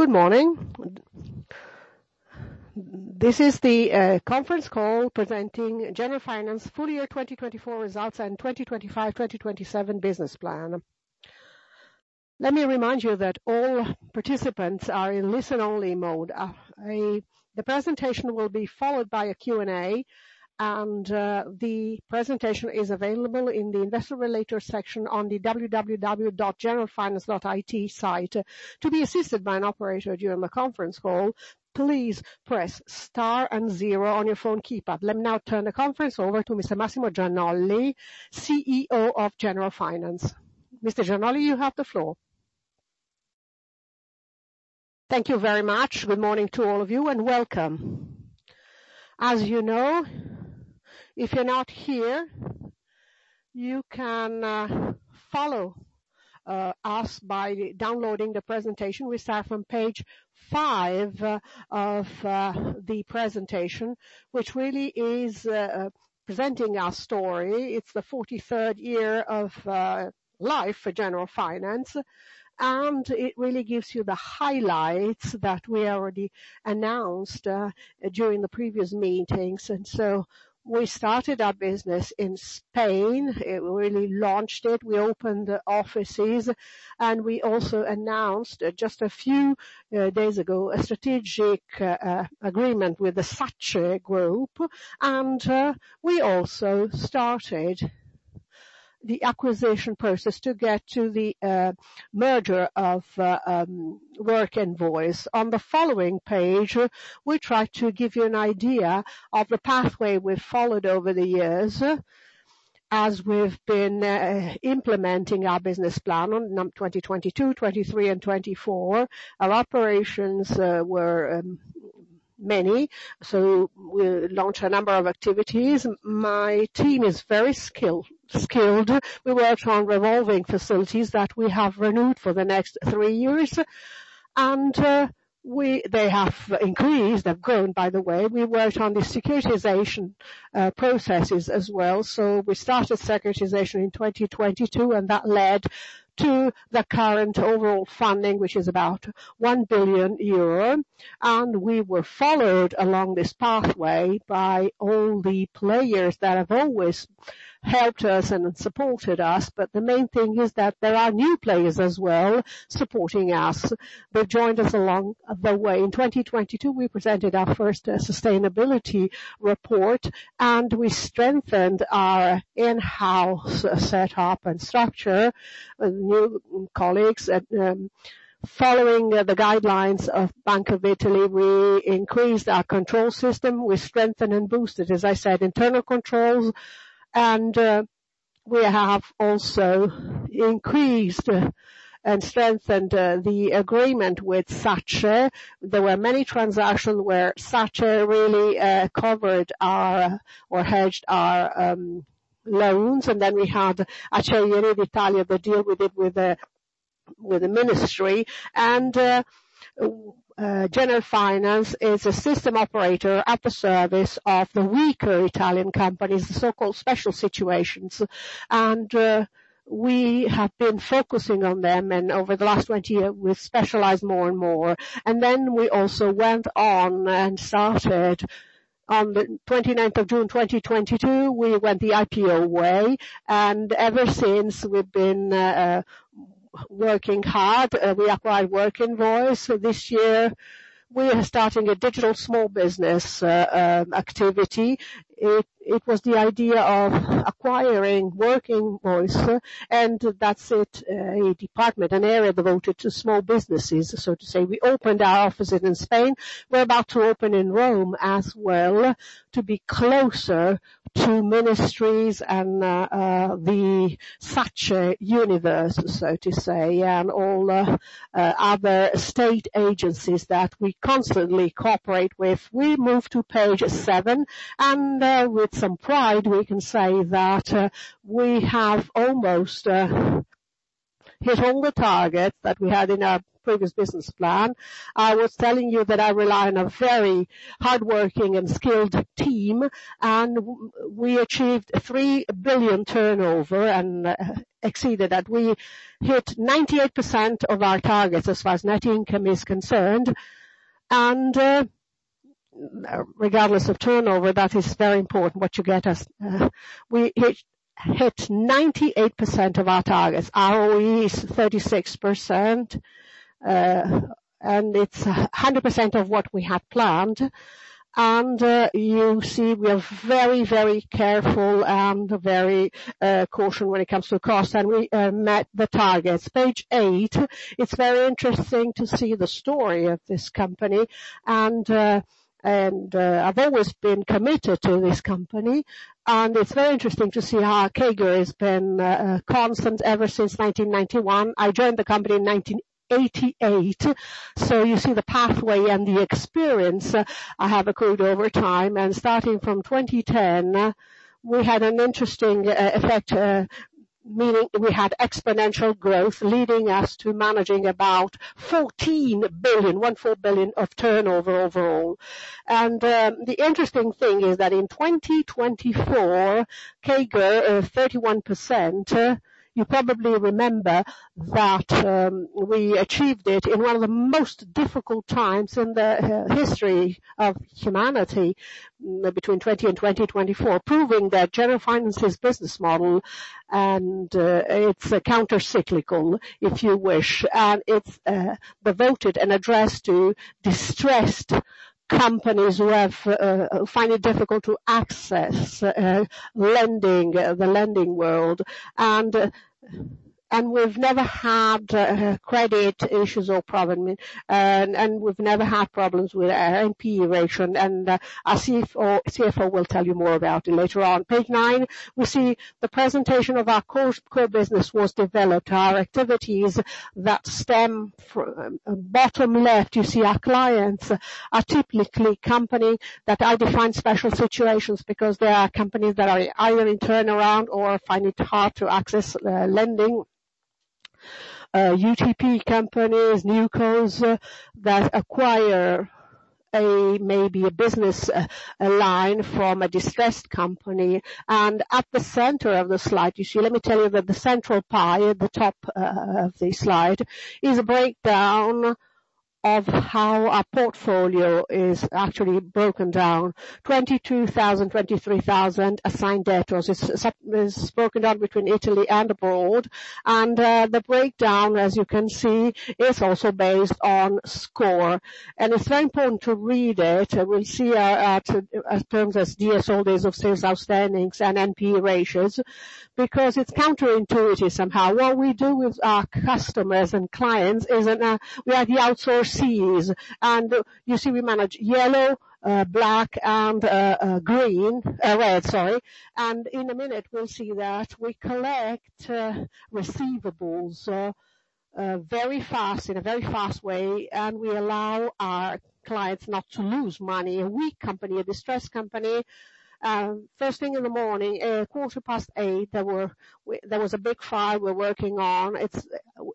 Good morning. This is the conference call presenting Generalfinance Full Year 2024 Results and 2025-2027 Business Plan. Let me remind you that all participants are in listen-only mode. The presentation will be followed by a Q&A, and the presentation is available in the Investor Relations section on the www.generalfinance.it site. To be assisted by an operator during the conference call, please press star and zero on your phone keypad. Let me now turn the conference over to Mr. Massimo Gianolli, CEO of Generalfinance. Mr. Gianolli, you have the floor. Thank you very much. Good morning to all of you, and welcome. As you know, if you're not here, you can follow us by downloading the presentation. We start from page five of the presentation, which really is presenting our story. It's the 43rd year of life for Generalfinance, and it really gives you the highlights that we already announced during the previous meetings. We started our business in Spain. It really launched it. We opened offices, and we also announced, just a few days ago, a strategic agreement with the SACE Group. We also started the acquisition process to get to the merger of Workinvoice. On the following page, we try to give you an idea of the pathway we've followed over the years as we've been implementing our business plan on 2022, 2023, and 2024. Our operations were many, so we launched a number of activities. My team is very skilled. We worked on revolving facilities that we have renewed for the next three years. They have increased. They've grown, by the way. We worked on the securitization processes as well. We started securitization in 2022, and that led to the current overall funding, which is about 1 billion euro. We were followed along this pathway by all the players that have always helped us and supported us. The main thing is that there are new players as well supporting us. They've joined us along the way. In 2022, we presented our first sustainability report, and we strengthened our in-house setup and structure with new colleagues. Following the guidelines of Bank of Italy, we increased our control system. We strengthened and boosted, as I said, internal controls, and we have also increased and strengthened the agreement with SACE. There were many transactions where SACE really covered or hedged our loans. We had Acciaierie d'Italia deal with the Ministry. Generalfinance is a system operator at the service of the weaker Italian companies, the so-called special situations. We have been focusing on them, and over the last 20 years, we've specialized more and more. We also went on and started on the June 29th, 2022, we went the IPO way, and ever since, we've been working hard. We acquired Workinvoice this year. We are starting a digital small business activity. It was the idea of acquiring Workinvoice, and that set a department, an area devoted to small businesses, so to say. We opened our offices in Spain. We're about to open in Rome as well to be closer to ministries and the SACE universe, so to say, and all other state agencies that we constantly cooperate with. We move to page seven, and with some pride, we can say that we have almost hit all the targets that we had in our previous business plan. I was telling you that I rely on a very hardworking and skilled team, and we achieved 3 billion turnover and exceeded that. We hit 98% of our targets as far as net income is concerned. Regardless of turnover, that is very important what you get is we hit 98% of our targets. ROE is 36%, and it's 100% of what we had planned. You see we are very careful and very cautious when it comes to costs, and we met the targets. Page eight, it's very interesting to see the story of this company, and I've always been committed to this company. It's very interesting to see how CAGR has been constant ever since 1991. I joined the company in 1988, so you see the pathway and the experience I have accrued over time. Starting from 2010, we had an interesting effect, meaning we had exponential growth leading us to managing about 14 billion of turnover overall. The interesting thing is that in 2024, CAGR of 31%, you probably remember that we achieved it in one of the most difficult times in the history of humanity between 2020 and 2024, proving that Generalfinance's business model is counter-cyclical, if you wish. It's devoted and addressed to distressed companies who find it difficult to access the lending world. We've never had credit issues or problem, and we've never had problems with our NPE ratio. Our CFO will tell you more about it later on. Page nine, we see the presentation of our core business was developed, our activities that stem from. Bottom left, you see our clients are typically company that I define special situations because they are companies that are either in turnaround or find it hard to access lending, UTP companies, newcos that acquire maybe a business line from a distressed company. At the center of the slide, let me tell you that the central pie at the top of the slide is a breakdown of how our portfolio is actually broken down. 23,000 assigned debtors is broken down between Italy and abroad. The breakdown, as you can see, is also based on score. It's very important to read it. We'll see our terms as DSO, days of sales outstandings, and NPE ratios, because it's counterintuitive somehow. What we do with our customers and clients is we are the outsources. You see we manage yellow, black, and green. Red, sorry. In a minute we'll see that we collect receivables in a very fast way, and we allow our clients not to lose money. A weak company, a distressed company, first thing in the morning, a quarter past 8:00 A.M., there was a big fire we're working on.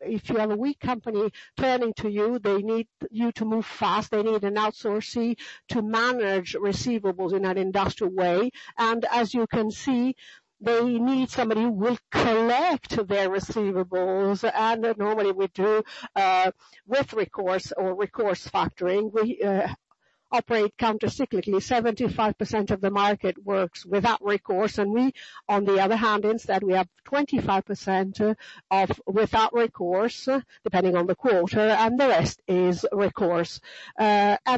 If you have a weak company turning to you, they need you to move fast. They need an outsourcee to manage receivables in an industrial way. As you can see, they need somebody who will collect their receivables, and normally we do with recourse or recourse factoring. We operate counter-cyclically. 75% of the market works without recourse, and we, on the other hand, instead, we have 25% without recourse, depending on the quarter, and the rest is recourse.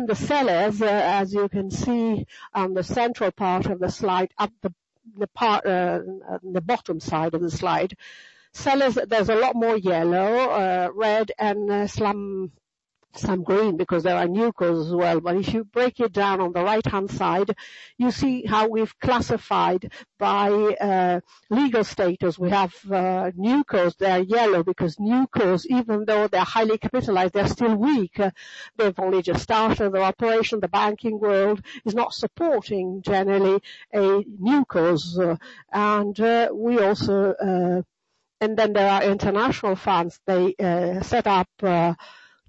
The sellers, as you can see on the central part of the slide, the bottom side of the slide, sellers, there's a lot more yellow, red, and some green because there are newcos as well. If you break it down on the right-hand side, you see how we've classified by legal status. We have newcos that are yellow because newcos, even though they're highly capitalized, they're still weak. They've only just started their operation. The banking world is not supporting generally newcos. There are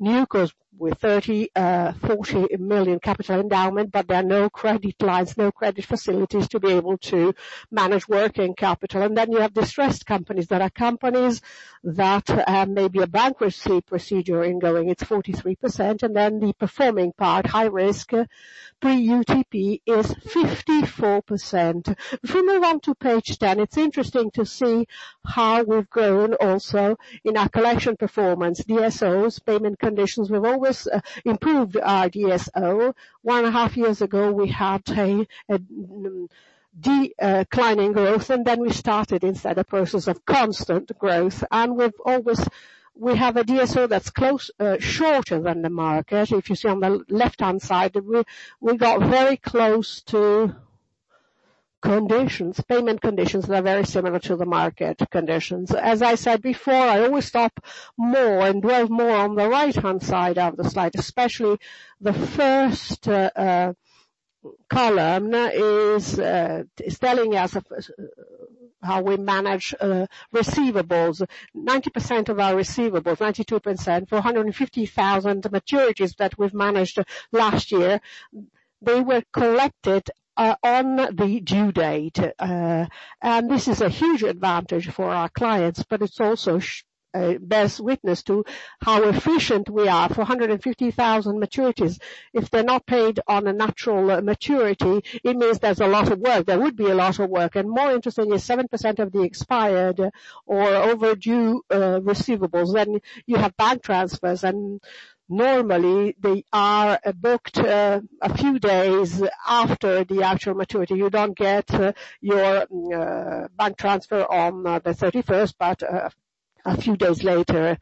international funds. They set up newcos with 30 million-40 million capital endowment, but there are no credit lines, no credit facilities to be able to manage working capital. You have distressed companies that are companies that have maybe a bankruptcy procedure ongoing. It's 43%. The performing part, high risk, pre-UTP is 54%. If we move on to page 10, it's interesting to see how we've grown also in our collection performance, DSOs, payment conditions. We've always improved our DSO. One and a half years ago, we had a declining growth, and then we started instead, a process of constant growth. We have a DSO that's shorter than the market. If you see on the left-hand side, we got very close to conditions, payment conditions that are very similar to the market conditions. As I said before, I always stop more and dwell more on the right-hand side of the slide, especially the first column is telling us how we manage receivables. 90% of our receivables, 92%, for 150,000 maturities that we've managed last year, they were collected on the due date. This is a huge advantage for our clients, but it also bears witness to how efficient we are for 150,000 maturities. If they're not paid on a natural maturity, it means there's a lot of work. There would be a lot of work. More interesting is 7% of the expired or overdue receivables. You have bank transfers, and normally they are booked a few days after the actual maturity. You don't get your bank transfer on the 31st, but a few days later.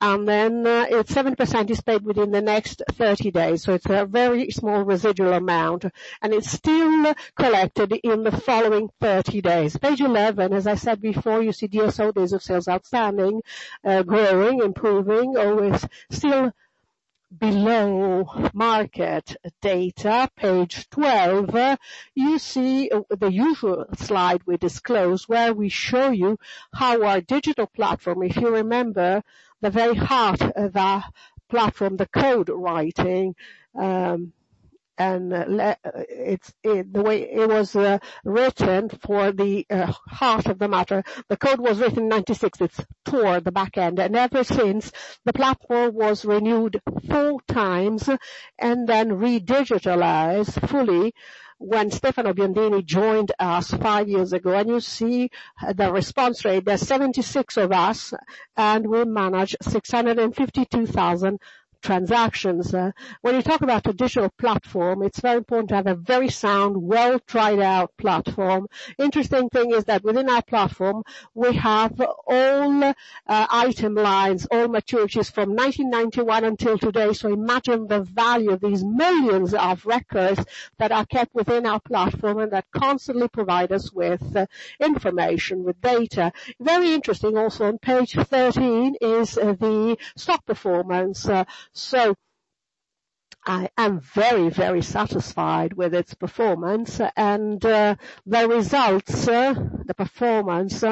If 7% is paid within the next 30 days, so it's a very small residual amount, and it's still collected in the following 30 days. Page 11, as I said before, you see DSO, days of sales outstanding, growing, improving, always still below market data. Page 12, you see the usual slide we disclose where we show you our digital platform. If you remember, the very heart of our platform, the code writing, and the way it was written for the heart of the matter, the code was written in 1996. It's toward the back end. Ever since, the platform was renewed 4x, and then redigitalized fully when Stefano Biondini joined us five years ago. You see the response rate. There's 76 of us, and we manage 652,000 transactions. When you talk about traditional platform, it's very important to have a very sound, well tried out platform. Interesting thing is that within our platform, we have all item lines, all maturities from 1991 until today. Imagine the value of these millions of records that are kept within our platform and that constantly provide us with information, with data. Very interesting also on page 13 is the stock performance. I am very, very satisfied with its performance and the results, the performance.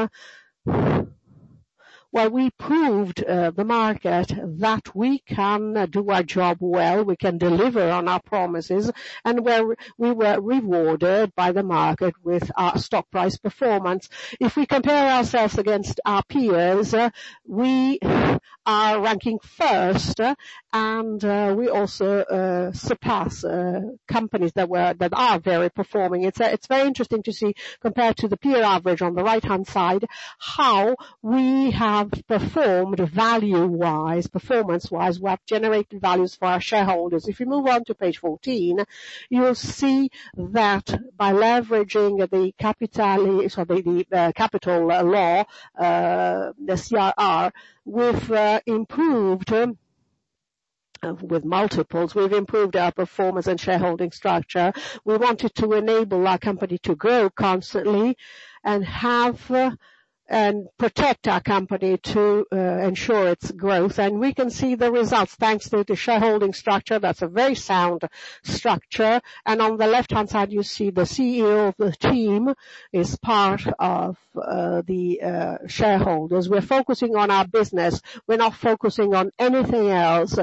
Well, we proved the market that we can do our job well, we can deliver on our promises, and we were rewarded by the market with our stock price performance. If we compare ourselves against our peers, we are ranking first, and we also surpass companies that are very performing. It's very interesting to see, compared to the peer average on the right-hand side, how we have performed value-wise, performance-wise. We have generated values for our shareholders. If you move on to page 14, you will see that by leveraging the Capital Law, the CRR, with multiples, we've improved our performance and shareholding structure. We wanted to enable our company to grow constantly and protect our company to ensure its growth. We can see the results thanks to the shareholding structure, that's a very sound structure. On the left-hand side, you see the CEO of the team is part of the shareholders. We're focusing on our business. We're not focusing on anything else.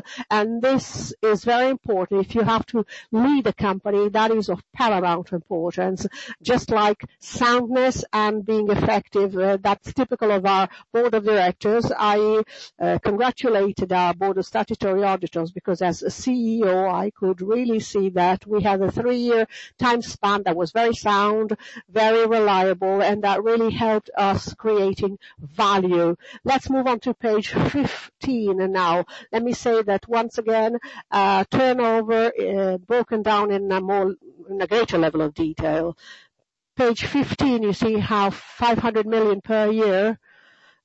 This is very important. If you have to lead a company, that is of paramount importance. Just like soundness and being effective, that's typical of our Board of Directors. I congratulated our Board of Statutory Auditors because as a CEO, I could really see that we had a three-year time span that was very sound, very reliable, and that really helped us creating value. Let's move on to page 15 now. Let me say that once again, turnover broken down in a greater level of detail. Page 15, you see how 500 million per year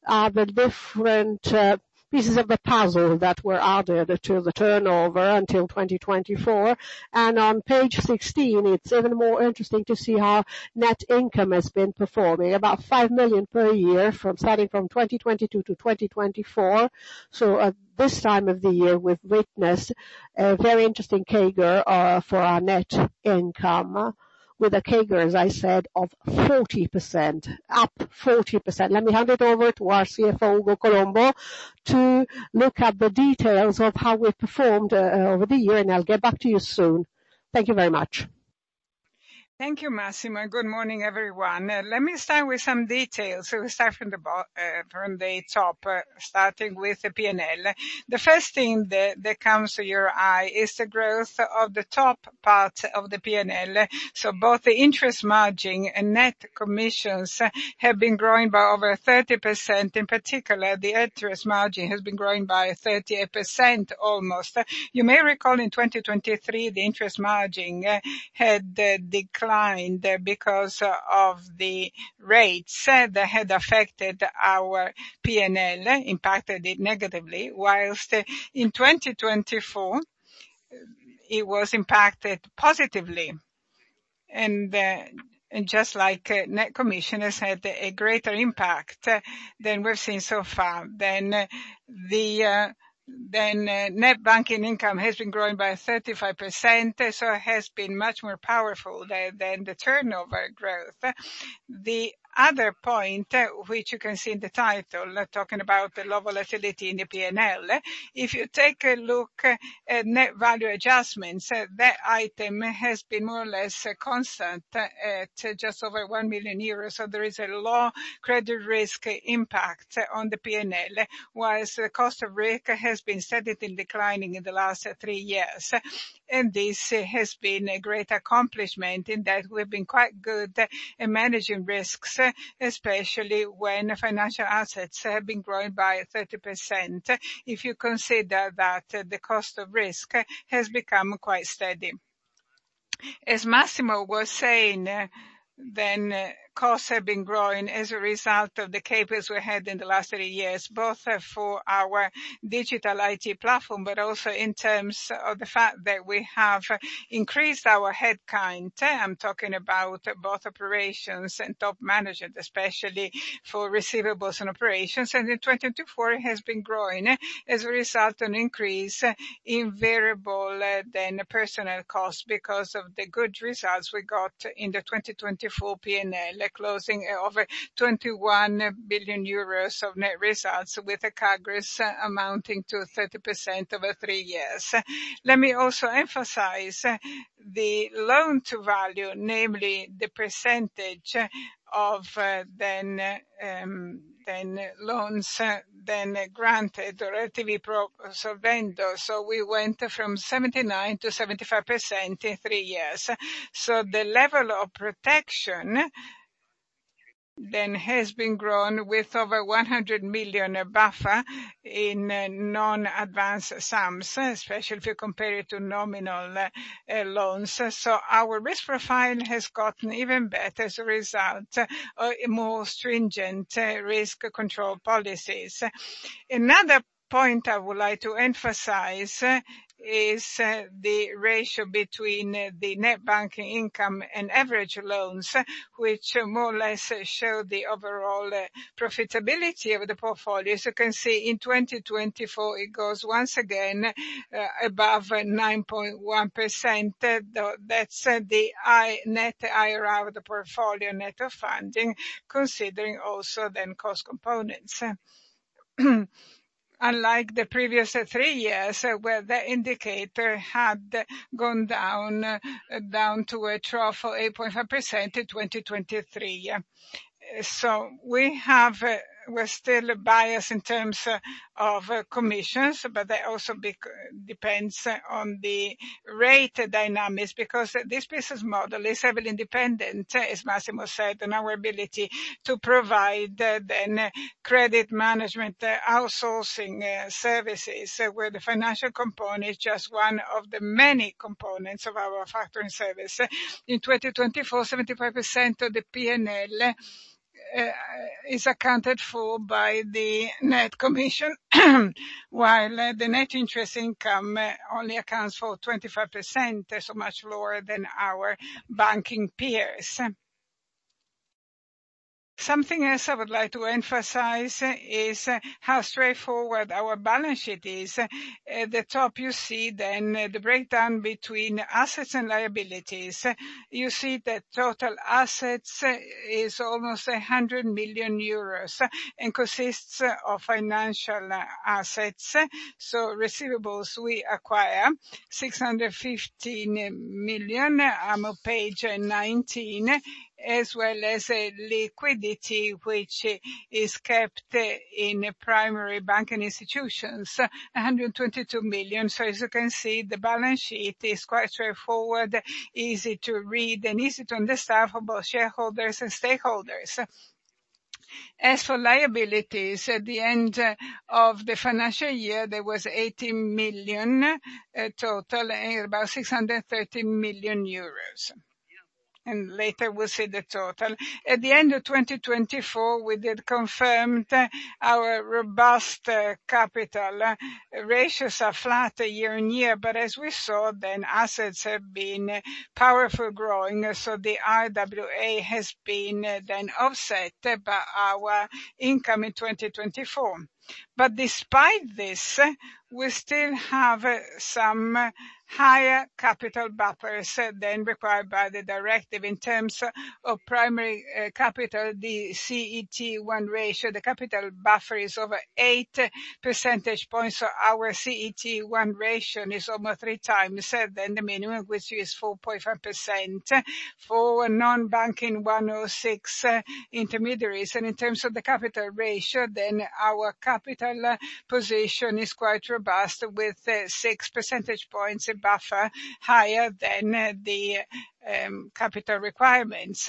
are the different pieces of the puzzle that were added to the turnover until 2024. On page 16, it's even more interesting to see how net income has been performing. About 5 million per year starting from 2022-2024. At this time of the year, we've witnessed a very interesting CAGR for our net income with a CAGR, as I said, of 40%, up 40%. Let me hand it over to our CFO, Ugo Colombo, to look at the details of how we performed over the year, and I'll get back to you soon. Thank you very much. Thank you, Massimo. Good morning, everyone. Let me start with some details. We'll start from the top, starting with the P&L. The first thing that comes to your eye is the growth of the top part of the P&L. Both the interest margin and net commissions have been growing by over 30%. In particular, the interest margin has been growing by 38% almost. You may recall in 2023, the interest margin had declined because of the rates that had affected our P&L, impacted it negatively, whilst in 2024, it was impacted positively. Just like net commission has had a greater impact than we've seen so far, then net banking income has been growing by 35%, so it has been much more powerful than the turnover growth. The other point, which you can see in the title, talking about the low volatility in the P&L. If you take a look at net value adjustments, that item has been more or less constant at just over 1 million euros. There is a low credit risk impact on the P&L, while cost of risk has been steadily declining in the last three years. This has been a great accomplishment in that we've been quite good at managing risks, especially when financial assets have been growing by 30%, if you consider that the cost of risk has become quite steady. As Massimo was saying, costs have been growing as a result of the CapEx we had in the last three years, both for our digital IT platform, but also in terms of the fact that we have increased our headcount. I'm talking about both operations and top management, especially for receivables and operations. In 2024 has been growing as a result of an increase in variable personnel costs because of the good results we got in the 2024 P&L, closing over 21 billion euros of net results with a CAGR amounting to 30% over three years. Let me also emphasize the loan-to-value, namely the percentage of loans granted relatively per turnover. We went from 79%-75% in three years. The level of protection then has been grown with over 100 million buffer in non-advanced sums, especially if you compare it to nominal loans. Our risk profile has gotten even better as a result of more stringent risk control policies. Another point I would like to emphasize is the ratio between the net banking income and average loans, which more or less show the overall profitability of the portfolio. As you can see, in 2024, it goes once again above 9.1%. That's the net IRR of the portfolio net of funding, considering also the cost components, unlike the previous three years, where the indicator had gone down to a trough of 8.5% in 2023. We're still biased in terms of commissions, but that also depends on the rate dynamics, because this business model is heavily dependent, as Massimo said, on our ability to provide credit management outsourcing services, where the financial component is just one of the many components of our factoring service. In 2024, 75% of the P&L is accounted for by the net commission, while the net interest income only accounts for 25%, so much lower than our banking peers. Something else I would like to emphasize is how straightforward our balance sheet is. At the top you see then the breakdown between assets and liabilities. You see that total assets is almost 100 million euros and consists of financial assets. Receivables, we acquire 615 million on page 19, as well as liquidity, which is kept in primary banking institutions, 122 million. As you can see, the balance sheet is quite straightforward, easy to read, and easy to understand for both shareholders and stakeholders. As for liabilities, at the end of the financial year, there was 80 million total, about 630 million euros. Later we'll see the total. At the end of 2024, we did confirm our robust capital ratios are flat year-over-year, but as we saw then, assets have been powerfully growing, so the RWA has been then offset by our income in 2024. Despite this, we still have some higher capital buffers than required by the directive. In terms of primary capital, the CET1 ratio, the capital buffer is over eight percentage points, so our CET1 ratio is almost 3x than the minimum, which is 4.5% for non-banking 106 intermediaries. In terms of the capital ratio, then our capital position is quite robust with six percentage points buffers higher than the capital requirements.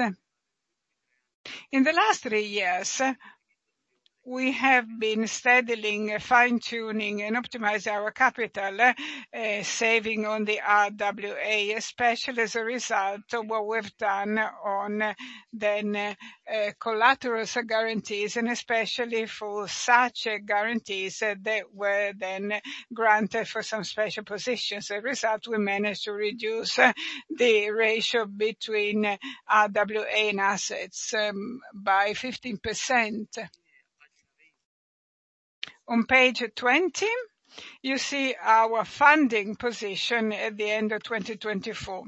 In the last three years, we have been steadily fine-tuning and optimizing our capital, saving on the RWA, especially as a result of what we've done on collateral guarantees, and especially for such guarantees that were then granted for some special positions. As a result, we managed to reduce the ratio between RWA and assets by 15%. On page 20, you see our funding position at the end of 2024.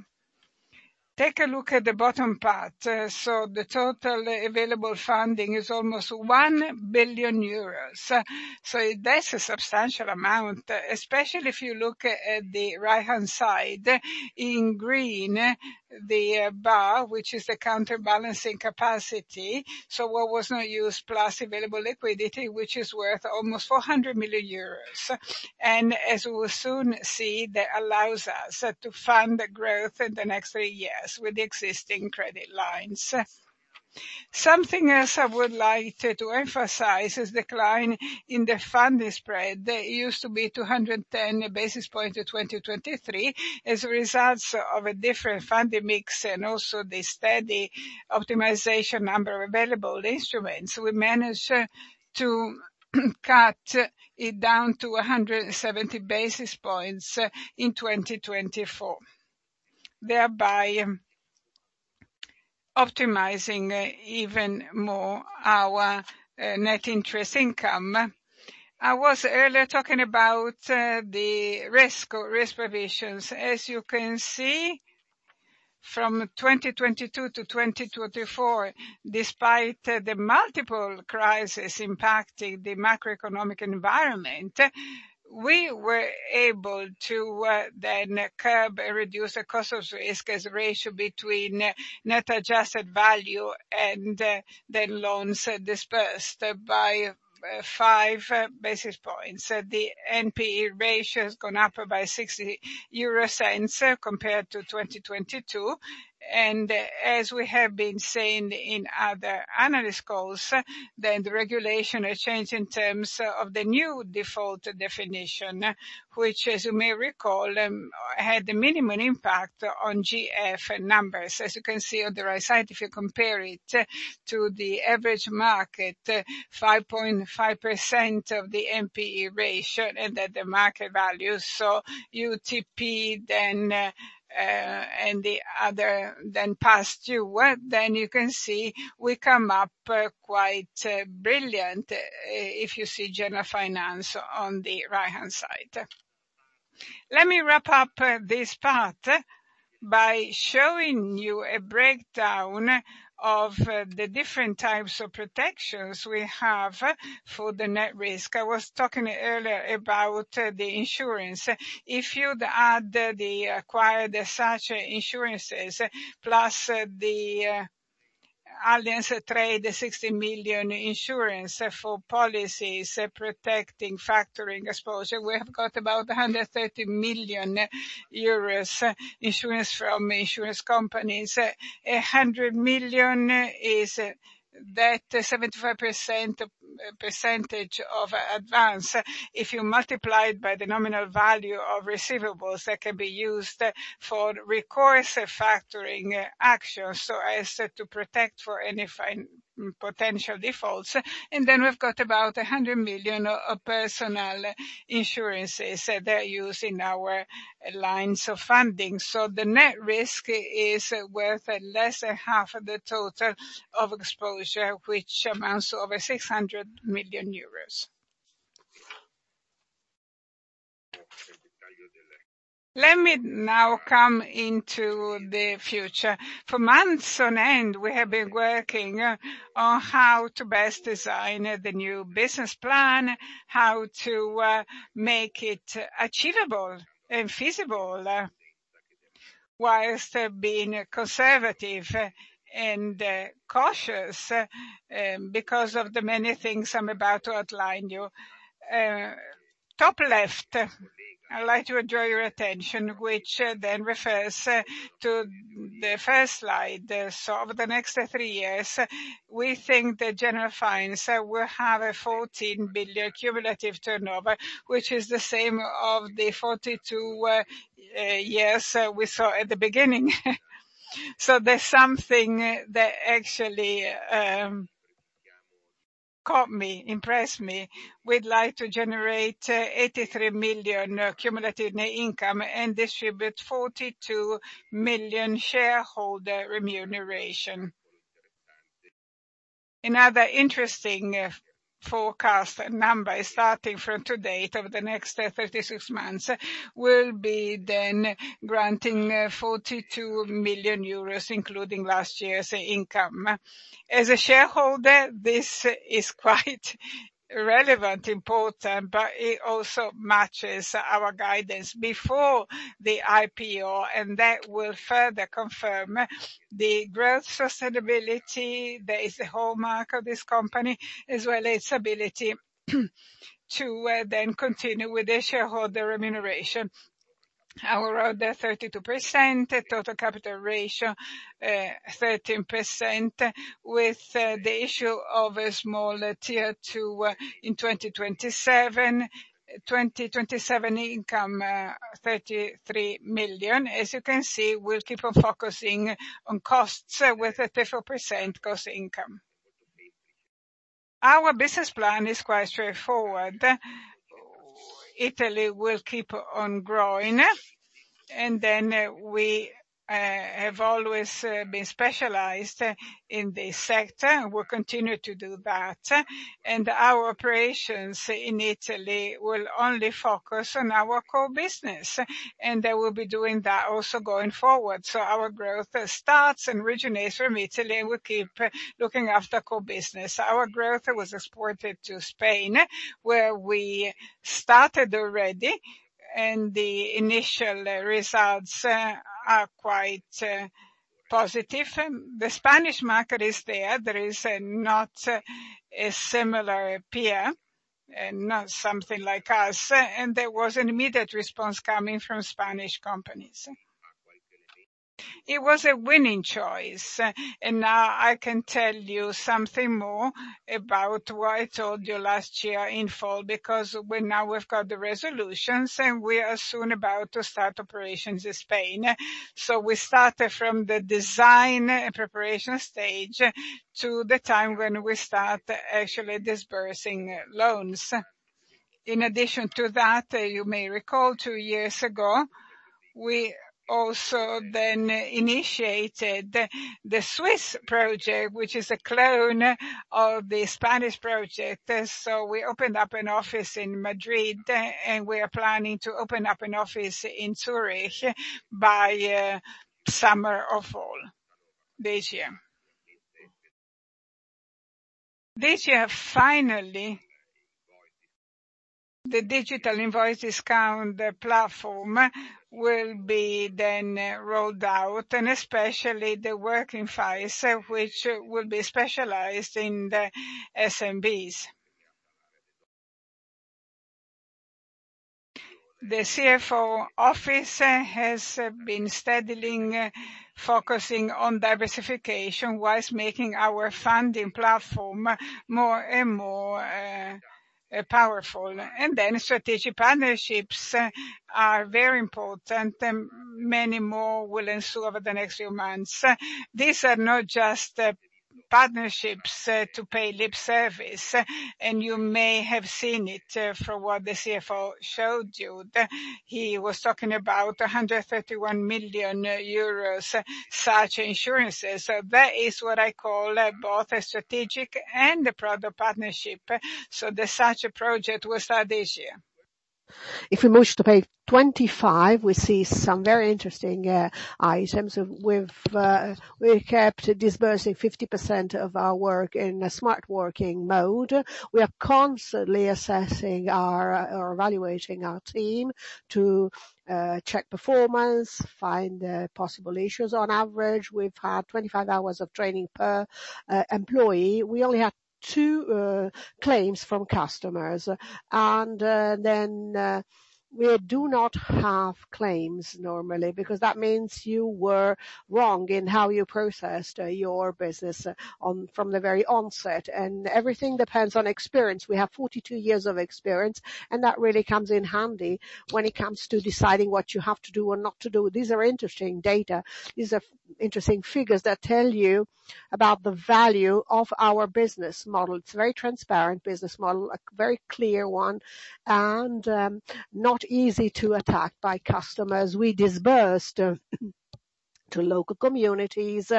Take a look at the bottom part. The total available funding is almost 1 billion euros. That's a substantial amount, especially if you look at the right-hand side in green, the bar, which is the counterbalancing capacity, so what was not used plus available liquidity, which is worth almost 400 million euros. As we'll soon see, that allows us to fund the growth in the next three years with the existing credit lines. Something else I would like to emphasize is decline in the funding spread, that used to be 210 basis points in 2023. As a result of a different funding mix and also the steady optimization number of available instruments, we managed to cut it down to 170 basis points in 2024, thereby optimizing even more our net interest income. I was earlier talking about the risk provisions. As you can see, from 2022 to 2024, despite the multiple crises impacting the macroeconomic environment, we were able to then curb and reduce the cost of risk as a ratio between net adjusted value and then loans disbursed by five basis points. The NPE ratio has gone up by 60 basis points compared to 2022, and as we have been saying in other analyst calls, then the regulation has changed in terms of the new default definition, which as you may recall, had the minimum impact on GF numbers. As you can see on the right side, if you compare it to the average market, 5.5% of the NPE ratio and at the market value. UTP and the other than past due, then you can see we come up quite brilliant if you see Generalfinance on the right-hand side. Let me wrap up this part by showing you a breakdown of the different types of protections we have for the net risk. I was talking earlier about the insurance. If you'd add the acquired SACE insurances, plus the Allianz Trade, the 60 million insurance for policies protecting factoring exposure, we have got about 130 million euros insurance from insurance companies. 100 million is that 75% percentage of advance. If you multiply it by the nominal value of receivables, that can be used for recourse factoring actions, so as to protect for any potential defaults. We've got about 100 million of personal insurances that are used in our lines of funding. The net risk is worth less than half of the total of exposure, which amounts to over 600 million euros. Let me now come into the future. For months on end, we have been working on how to best design the new Business Plan, how to make it achievable and feasible, whilst being conservative and cautious because of the many things I'm about to outline you. Top left, I'd like to draw your attention, which then refers to the first slide. Over the next three years, we think that Generalfinance will have a 14 billion cumulative turnover, which is the same of the 42 years we saw at the beginning. There's something that actually caught me, impressed me. We'd like to generate 83 million cumulative net income and distribute 42 million shareholder remuneration. Another interesting forecast number is starting from to date, over the next 36 months, will be then granting 42 million euros, including last year's income. As a shareholder, this is quite relevant, important, but it also matches our guidance before the IPO, and that will further confirm the growth sustainability that is the hallmark of this company, as well as its ability to then continue with the shareholder remuneration. Our ROE at 32%, total capital ratio, 13% with the issue of a small Tier two in 2027. 2027 income, 33 million. As you can see, we'll keep on focusing on costs with a 34% cost income. Our business plan is quite straightforward. Italy will keep on growing, and then we have always been specialized in this sector, and we'll continue to do that. And our operations in Italy will only focus on our core business, and they will be doing that also going forward. So our growth starts and originates from Italy. We'll keep looking after core business. Our growth was exported to Spain, where we started already, and the initial results are quite positive. The Spanish market is there. There is not a similar peer and not something like us, and there was an immediate response coming from Spanish companies. It was a winning choice. Now I can tell you something more about what I told you last year in fall, because now we've got the resolutions, and we are soon about to start operations in Spain. We started from the design and preparation stage to the time when we start actually disbursing loans. In addition to that, you may recall two years ago, we also then initiated the Swiss project, which is a clone of the Spanish project. We opened up an office in Madrid, and we are planning to open up an office in Zurich by summer or fall this year. This year, finally, the digital invoice discount platform will be then rolled out, and especially the Workinvoice, which will be specialized in the SMBs. The CFO Office has been steadily focusing on diversification whilst making our funding platform more and more powerful. Strategic partnerships are very important, and many more will ensue over the next few months. These are not just partnerships to pay lip service, and you may have seen it from what the CFO showed you. He was talking about 131 million euros such insurances. That is what I call both a strategic and a product partnership. Such a project will start this year. If we move to page 25, we see some very interesting items. We've kept disbursing 50% of our work in a smart working mode. We are constantly assessing or evaluating our team to check performance, find possible issues. On average, we've had 25 hours of training per employee. We only had two claims from customers. We do not have claims normally, because that means you were wrong in how you processed your business from the very onset. Everything depends on experience. We have 42 years of experience, and that really comes in handy when it comes to deciding what you have to do or not to do. These are interesting data. These are interesting figures that tell you about the value of our business model. It's a very transparent business model, a very clear one, and not easy to attack by customers. We disbursed to local communities,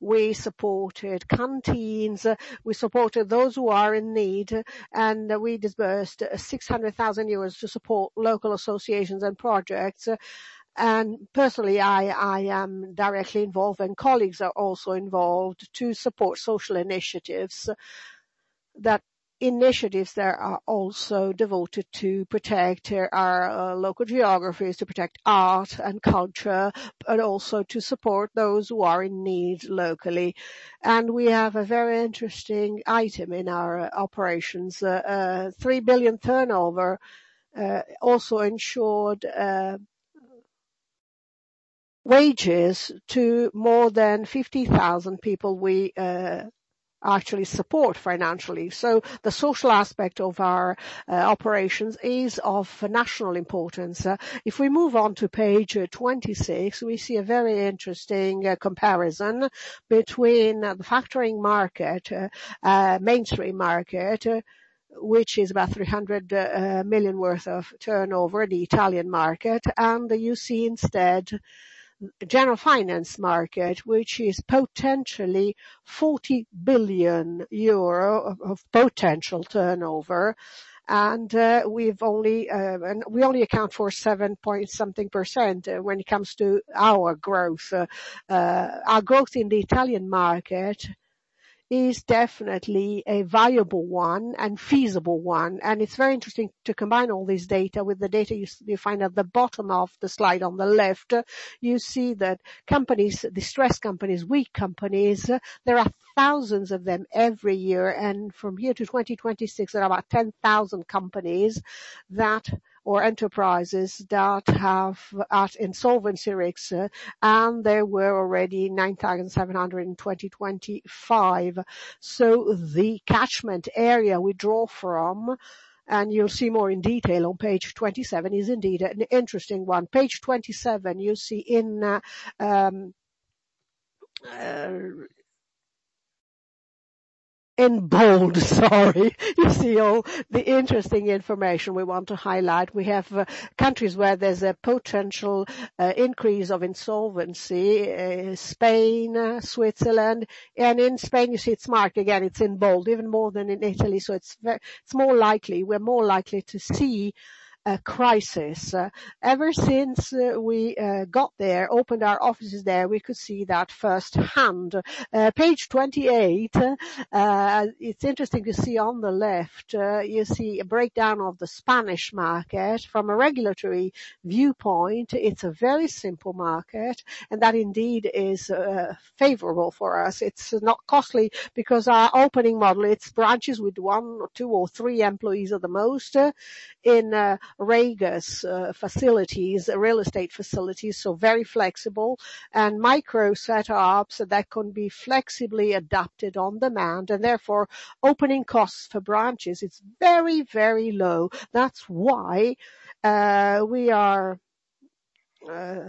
we supported canteens, we supported those who are in need, and we disbursed 600,000 euros to support local associations and projects. Personally, I am directly involved, and colleagues are also involved to support social initiatives. Those initiatives there are also devoted to protect our local geographies, to protect art and culture, but also to support those who are in need locally. We have a very interesting item in our operations. 3 billion turnover also ensured wages to more than 50,000 people we actually support financially. The social aspect of our operations is of national importance. If we move on to page 26, we see a very interesting comparison between the factoring market, mainstream market, which is about 300 million worth of turnover, the Italian market. You see instead, Generalfinance market, which is potentially 40 billion euro of potential turnover, and we only account for seven point something percent when it comes to our growth. Our growth in the Italian market is definitely a viable one and feasible one, and it's very interesting to combine all this data with the data you find at the bottom of the slide on the left. You see that companies, distressed companies, weak companies, there are thousands of them every year. From here to 2026, there are about 10,000 companies or enterprises that are at insolvency risk, and there were already 9,700 in 2025. The catchment area we draw from, and you'll see more in detail on page 27, is indeed an interesting one. Page 27, you see in bold, sorry, you see all the interesting information we want to highlight. We have countries where there is a potential increase of insolvency, Spain, Switzerland. In Spain, you see it's marked again, it's in bold, even more than in Italy. It's more likely, we're more likely to see a crisis. Ever since we got there, opened our offices there, we could see that firsthand. Page 28 It's interesting to see on the left, you see a breakdown of the Spanish market. From a regulatory viewpoint, it's a very simple market, and that indeed is favorable for us. It's not costly because our opening model, it's branches with one or two or three employees at the most in Regus facilities, real estate facilities, so very flexible. Micro setups that can be flexibly adapted on demand, and therefore opening costs for branches, it's very low. That's why we are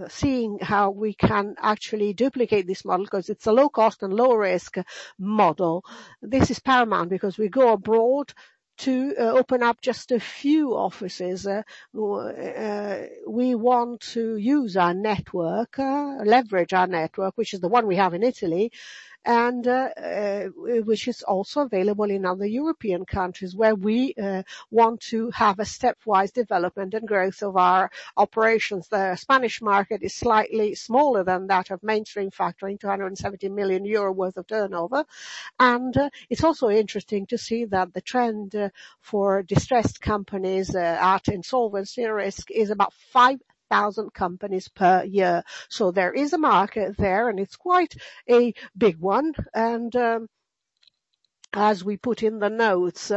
seeing how we can actually duplicate this model, because it's a low-cost and low-risk model. This is paramount because we go abroad to open up just a few offices. We want to use our network, leverage our network, which is the one we have in Italy, and which is also available in other European countries where we want to have a stepwise development and growth of our operations there. Spanish market is slightly smaller than that of mainstream factoring, 270 million euro worth of turnover. It's also interesting to see that the trend for distressed companies or insolvency risk is about 5,000 companies per year. There is a market there, and it's quite a big one. As we put in the notes,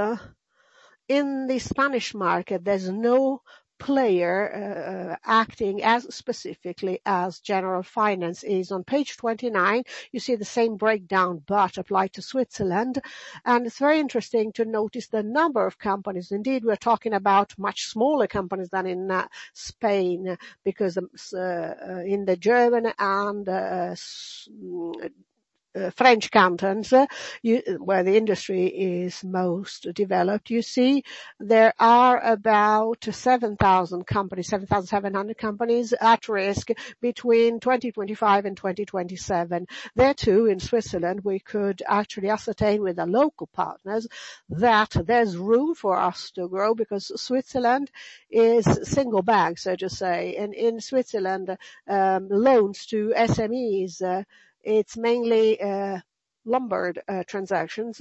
in the Spanish market, there's no player acting as specifically as Generalfinance is. On page 29, you see the same breakdown, but applied to Switzerland. It's very interesting to notice the number of companies. Indeed, we're talking about much smaller companies than in Spain because in the German and French cantons where the industry is most developed, you see there are about 7,700 companies at risk between 2025 and 2027. There, too, in Switzerland, we could actually ascertain with the local partners that there's room for us to grow because Switzerland is single banks, so to say. In Switzerland, loans to SMEs, it's mainly Lombard transactions.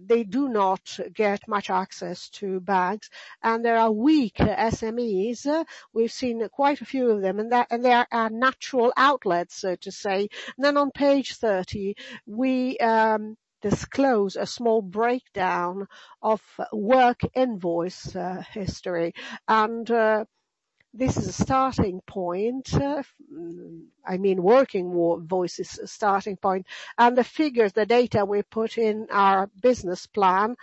They do not get much access to banks. There are weak SMEs. We've seen quite a few of them, and they are natural outlets, so to say. On page 30, we disclose a small breakdown of Workinvoice history. This is a starting point. I mean, Workinvoice is a starting point, and the figures, the data we put in our business plan,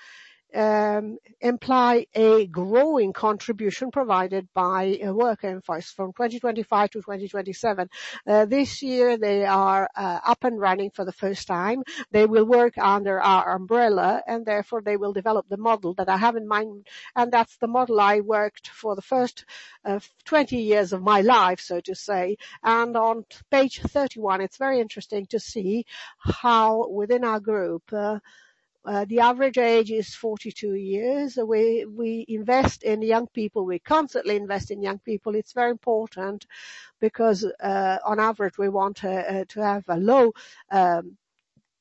imply a growing contribution provided by Workinvoice from 2025-2027. This year, they are up and running for the first time. They will work under our umbrella, and therefore they will develop the model that I have in mind, and that's the model I worked for the first 20 years of my life, so to say. On page 31, it's very interesting to see how within our group, the average age is 42 years. We invest in young people. We constantly invest in young people. It's very important because, on average, we want to have a low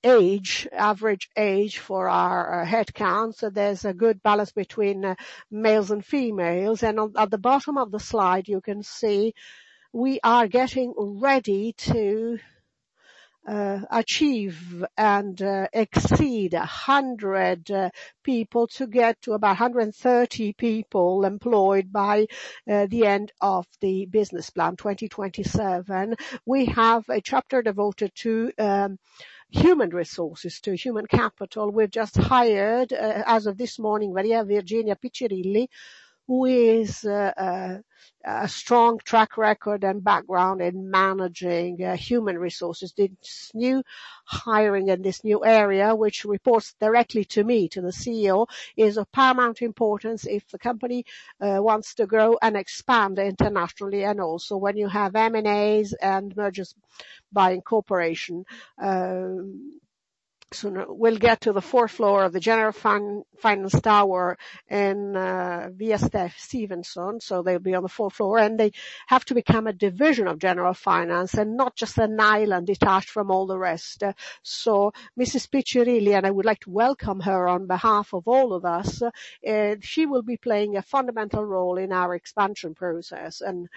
age, average age for our headcount. There's a good balance between males and females. At the bottom of the slide, you can see we are getting ready to achieve and exceed 100 people to get to about 130 people employed by the end of the business plan, 2027. We have a chapter devoted to human resources, to human capital. We've just hired, as of this morning, Maria Virginia Piccirilli, who has a strong track record and background in managing human resources. This new hiring in this new area, which reports directly to me, to the CEO, is of paramount importance if the company wants to grow and expand internationally, also when you have M&As and mergers by incorporation. We'll get to the fourth floor of the Generalfinance tower in Via Giorgio Stephenson. They'll be on the fourth floor, and they have to become a division of Generalfinance and not just an island detached from all the rest. Mrs. Piccirilli, and I would like to welcome her on behalf of all of us, she will be playing a fundamental role in our expansion process and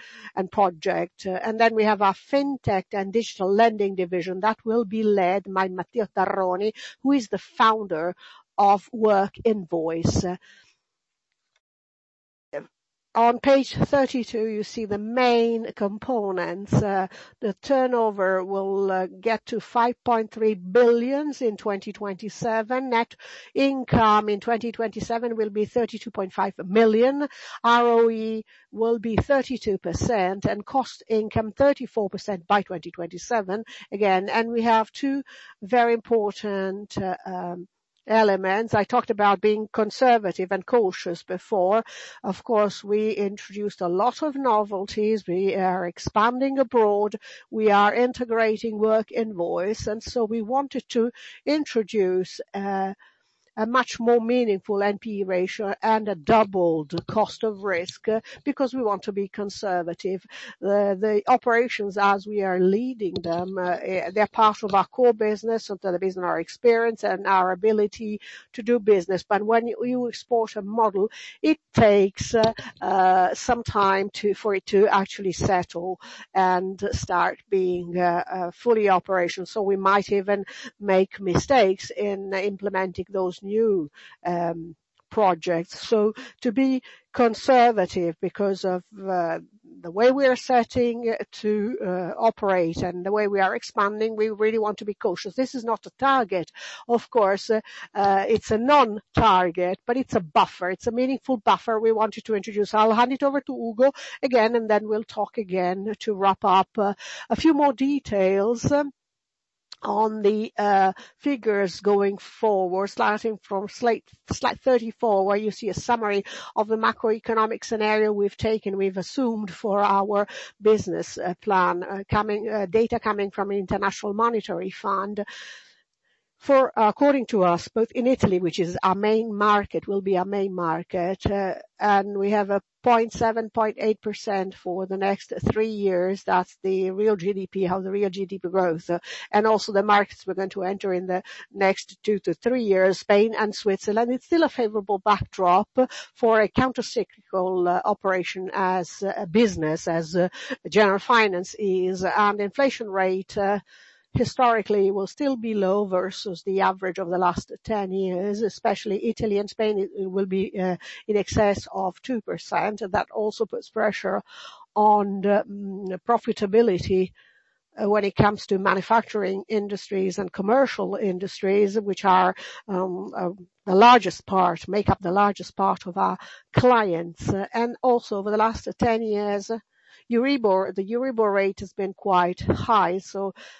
project. We have our fintech and digital lending division that will be led by Matteo Tarroni, who is the founder of Workinvoice. On page 32, you see the main components. The turnover will get to 5.3 billion in 2027. Net income in 2027 will be 32.5 million. ROE will be 32%, and cost-income 34% by 2027. Again, we have two very important elements. I talked about being conservative and cautious before. Of course, we introduced a lot of novelties. We are expanding abroad. We are integrating Workinvoice, and so we wanted to introduce a much more meaningful NPE ratio and a doubled cost of risk, because we want to be conservative. The operations as we are leading them, they're part of our core business, so that is in our experience and our ability to do business. When you export a model, it takes some time for it to actually settle and start being fully operational. We might even make mistakes in implementing those new projects. To be conservative because of the way we are setting to operate and the way we are expanding, we really want to be cautious. This is not a target, of course. It's a non-target, but it's a buffer. It's a meaningful buffer we wanted to introduce. I'll hand it over to Ugo again, and then we'll talk again to wrap up a few more details on the figures going forward, starting from slide 34, where you see a summary of the macroeconomic scenario we've assumed for our business plan, data coming from International Monetary Fund. According to us, both in Italy, which is our main market, we have a 0.7%-0.8% for the next three years. That's the real GDP, how the real GDP grows, and also the markets we're going to enter in the next two-three years, Spain and Switzerland. It's still a favorable backdrop for a counter-cyclical operation as a business, as Generalfinance is. Inflation rate historically will still be low versus the average of the last 10 years, especially Italy and Spain, will be in excess of 2%. That also puts pressure on the profitability when it comes to manufacturing industries and commercial industries, which make up the largest part of our clients. Also over the last 10 years, the Euribor rate has been quite high.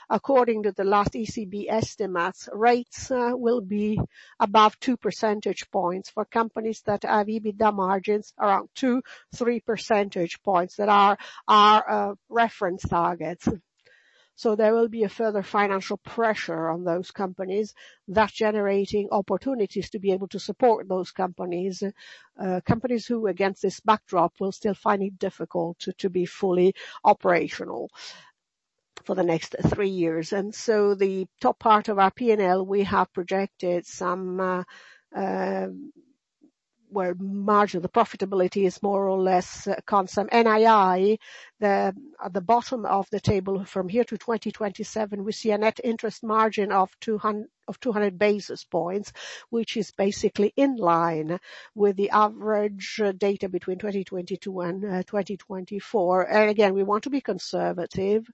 According to the last ECB estimates, rates will be above two percentage points for companies that have EBITDA margins around two, three percentage points that are our reference targets. There will be a further financial pressure on those companies, thus generating opportunities to be able to support those companies. Companies who, against this backdrop, will still find it difficult to be fully operational for the next three years. The top part of our P&L, we have projected somewhere margin, the profitability is more or less constant. NII, at the bottom of the table from here to 2027, we see a net interest margin of 200 basis points, which is basically in line with the average data between 2022 and 2024. Again, we want to be conservative,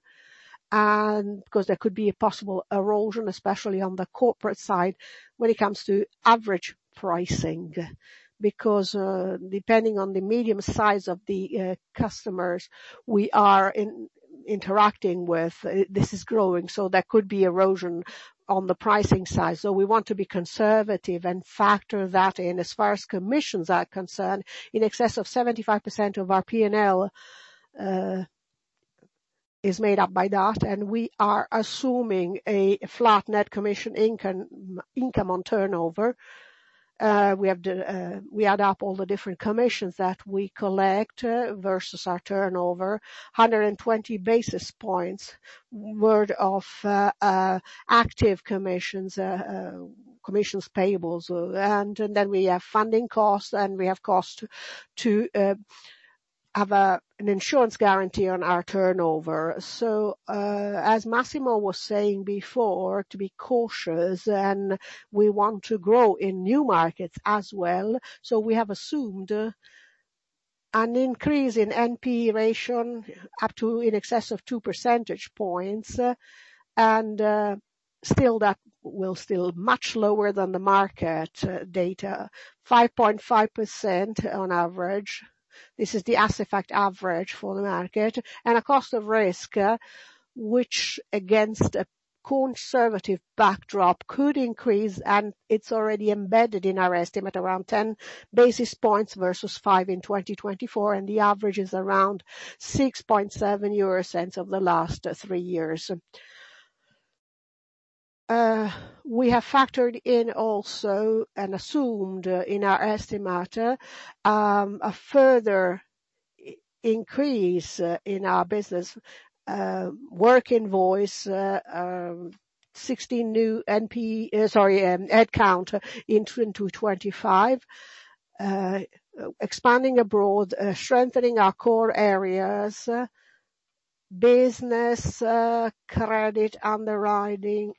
because there could be a possible erosion, especially on the corporate side when it comes to average pricing. Because depending on the medium size of the customers we are interacting with, this is growing. There could be erosion on the pricing side. We want to be conservative and factor that in. As far as commissions are concerned, in excess of 75% of our P&L is made up by that, and we are assuming a flat net commission income on turnover. We add up all the different commissions that we collect versus our turnover, 120 basis points worth of active commissions payables. And then we have funding costs, and we have costs to have an insurance guarantee on our turnover. So as Massimo was saying before, to be cautious, and we want to grow in new markets as well. So, we have assumed an increase in NPE ratio up to in excess of two percentage points, and still, that will still much lower than the market data, 5.5% on average. This is the Assifact average for the market. And a cost of risk, which against a conservative backdrop could increase, and it's already embedded in our estimate around 10 basis points versus five in 2024, and the average is around 6.7 euro cents over the last three years. We have factored in also and assumed in our estimate, a further increase in our business work invoice, 16 new NP, sorry, head count into 25. Expanding abroad, strengthening our core areas, business, credit, underwriting.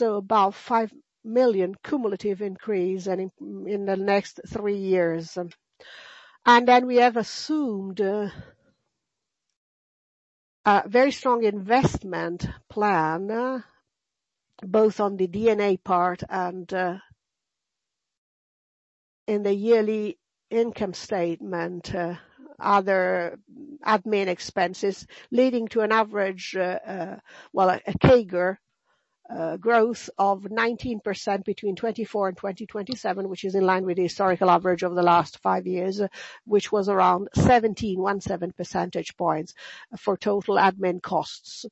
About 5 million cumulative increase in the next three years. We have assumed a very strong investment plan, both on the D&A part and in the yearly income statement, other admin expenses leading to an average, well, a CAGR growth of 19% between 2024 and 2027, which is in line with the historical average over the last five years, which was around 17 percentage points for total admin costs.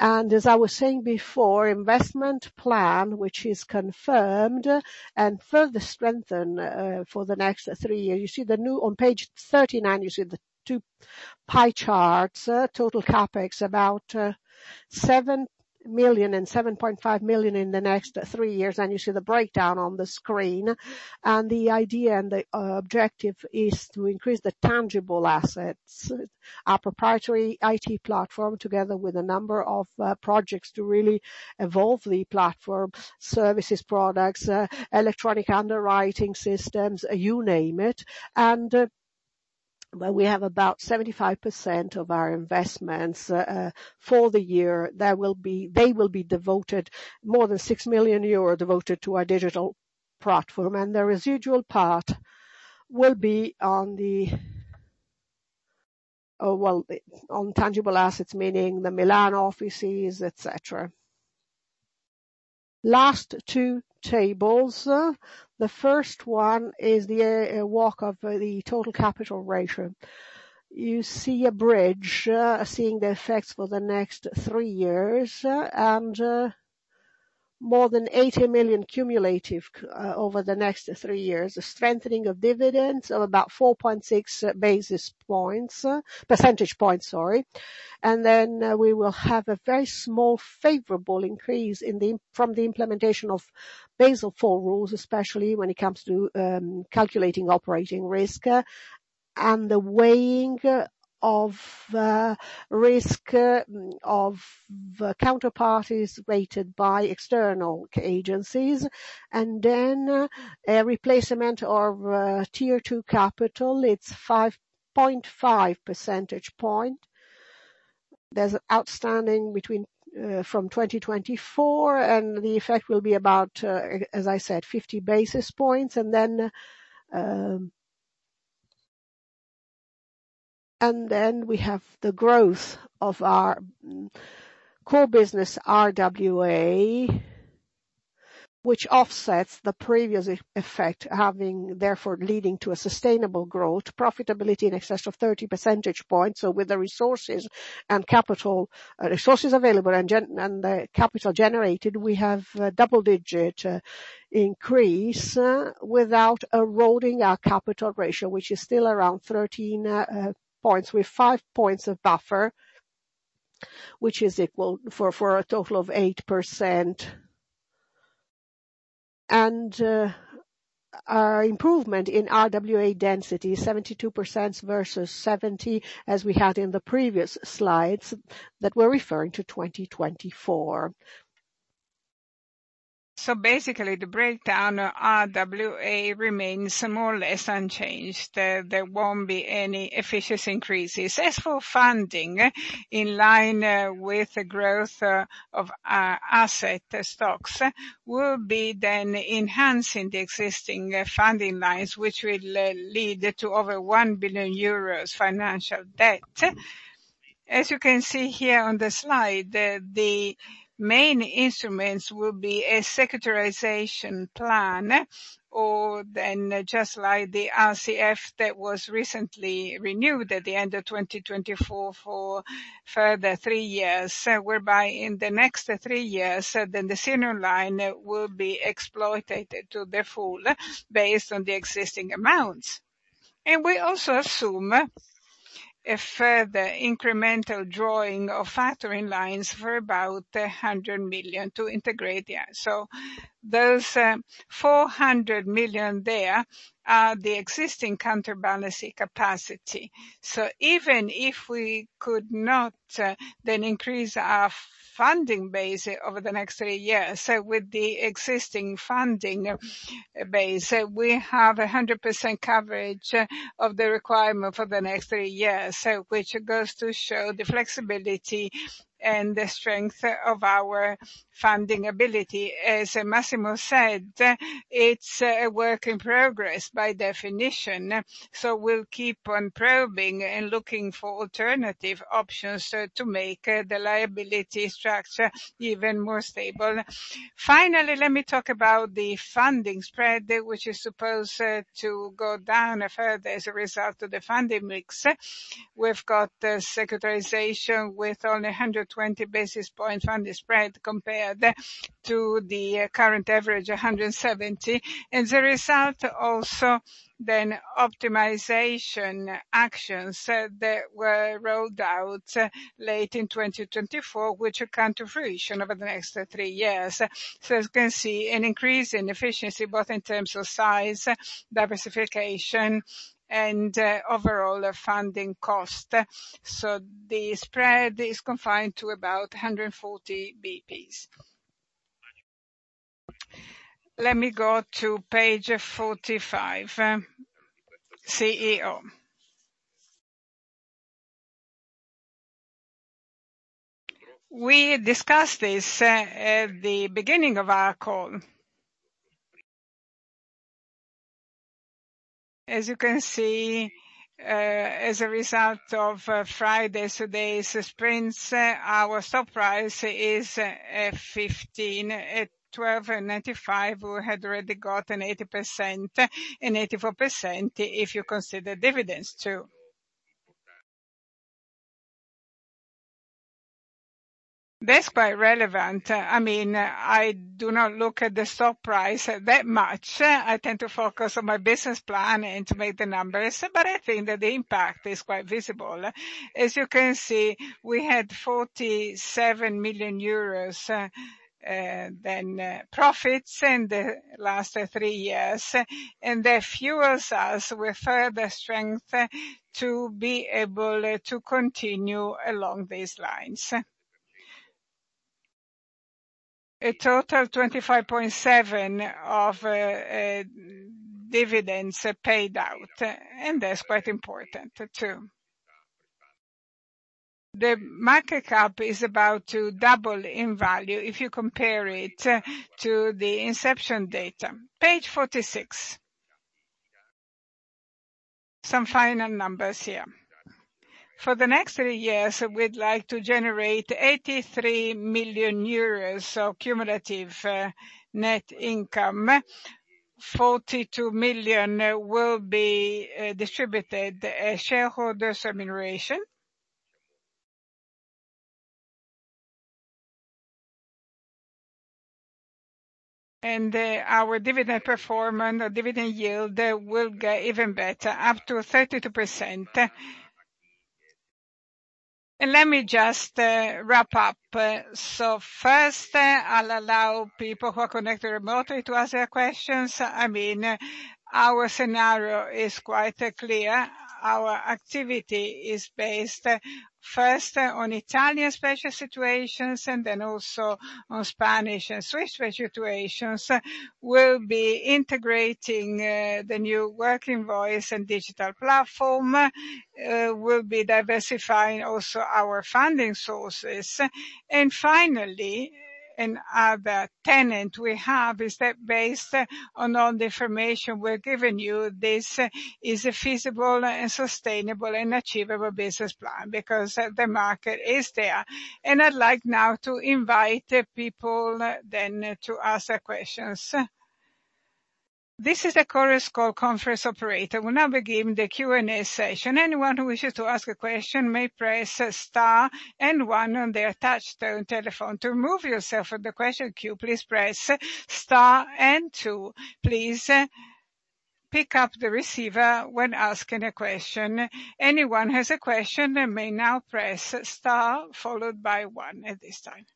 As I was saying before, investment plan, which is confirmed and further strengthened for the next three years. On page 39, you see the two pie charts, total CapEx, about 7 million and 7.5 million in the next three years. You see the breakdown on the screen, and the idea and the objective is to increase the tangible assets. Our proprietary IT platform, together with a number of projects to really evolve the platform, services, products, electronic underwriting systems, you name it. We have about 75% of our investments for the year, they will be devoted, more than 6 million euro devoted to our digital platform. The residual part will be on tangible assets, meaning the Milan offices, et cetera. Last two tables. The first one is the walk of the total capital ratio. You see a bridge, seeing the effects for the next three years, and more than 80 million cumulative over the next three years. A strengthening of dividends of about 4.6 basis points, percentage points, sorry. We will have a very small favorable increase from the implementation of Basel IV rules, especially when it comes to calculating operating risk and the weighing of risk of counterparties rated by external agencies. A replacement of Tier two capital, it's 5.5 percentage point. There's outstanding from 2024, and the effect will be about, as I said, 50 basis points. We have the growth of our core business, RWA, which offsets the previous effect, therefore leading to a sustainable growth profitability in excess of 30 percentage points. With the resources available and the capital generated, we have double-digit increase without eroding our capital ratio, which is still around 13 points, with five points of buffer, which is equal for a total of 8%. Our improvement in RWA density, 72% versus 70%, as we had in the previous slides that were referring to 2024. Basically, the breakdown RWA remains more or less unchanged. There won't be any significant increases. As for funding, in line with the growth of our asset stocks, we will be then enhancing the existing funding lines, which will lead to over 1 billion euros financial debt. As you can see here on the slide, the main instruments will be a securitization plan, or then just like the RCF that was recently renewed at the end of 2024 for further three years, whereby in the next three years then the senior line will be exploited to the full based on the existing amounts. We also assume a further incremental drawing of factoring lines for about 100 million to integrate. Those 400 million there are the existing counterbalancing capacity. So even if we could not then increase our funding base over the next three years, so with the existing funding base, we have 100% coverage of the requirement for the next three years. So which goes to show the flexibility and the strength of our funding ability. As Massimo said, it's a work in progress by definition, so we'll keep on probing and looking for alternative options to make the liability structure even more stable. Finally, let me talk about the funding spread, which is supposed to go down further as a result of the funding mix. We've got the securitization with only 120 basis points on the spread compared to the current average, 170. As a result also then optimization actions that were rolled out late in 2024, which will come to fruition over the next three years. As you can see, an increase in efficiency both in terms of size, diversification, and overall funding cost. The spread is confined to about 140 basis points. Let me go to page 45. CEO, we discussed this at the beginning of our call. As you can see, as a result of Friday, today's sprints, our stock price is at 15. At 12.95, we had already got an 80%, and 84% if you consider dividends too. That's quite relevant. I do not look at the stock price that much. I tend to focus on my business plan and to make the numbers, but I think that the impact is quite visible. As you can see, we had 47 million euros in profits in the last three years, and that fuels us with further strength to be able to continue along these lines. A total of 25.7 of dividends are paid out, and that's quite important too. The market cap is about to double in value if you compare it to the inception date. Page 46. Some final numbers here. For the next three years, we'd like to generate 83 million euros of cumulative net income. 42 million will be distributed as shareholder remuneration. Our dividend performance, our dividend yield, will get even better, up to 32%. Let me just wrap up. First, I'll allow people who are connected remotely to ask their questions. Our scenario is quite clear. Our activity is based first on Italian special situations and then also on Spanish and Swiss special situations. We'll be integrating the new Workinvoice and digital platform. We'll be diversifying also our funding sources. Finally, another tenet we have is that based on all the information we've given you, this is a feasible and sustainable and achievable business plan because the market is there. I'd like now to invite people then to ask their questions. This is a chorus call conference operator. We now begin the Q&A session, anyone who wishes to ask a question may press star and one on their touchtone telephone. To remove yourself from the question queue, please press star and two. Please pick up the receiver when asking a question. Anyone who has a question may now press star followed by one at this time.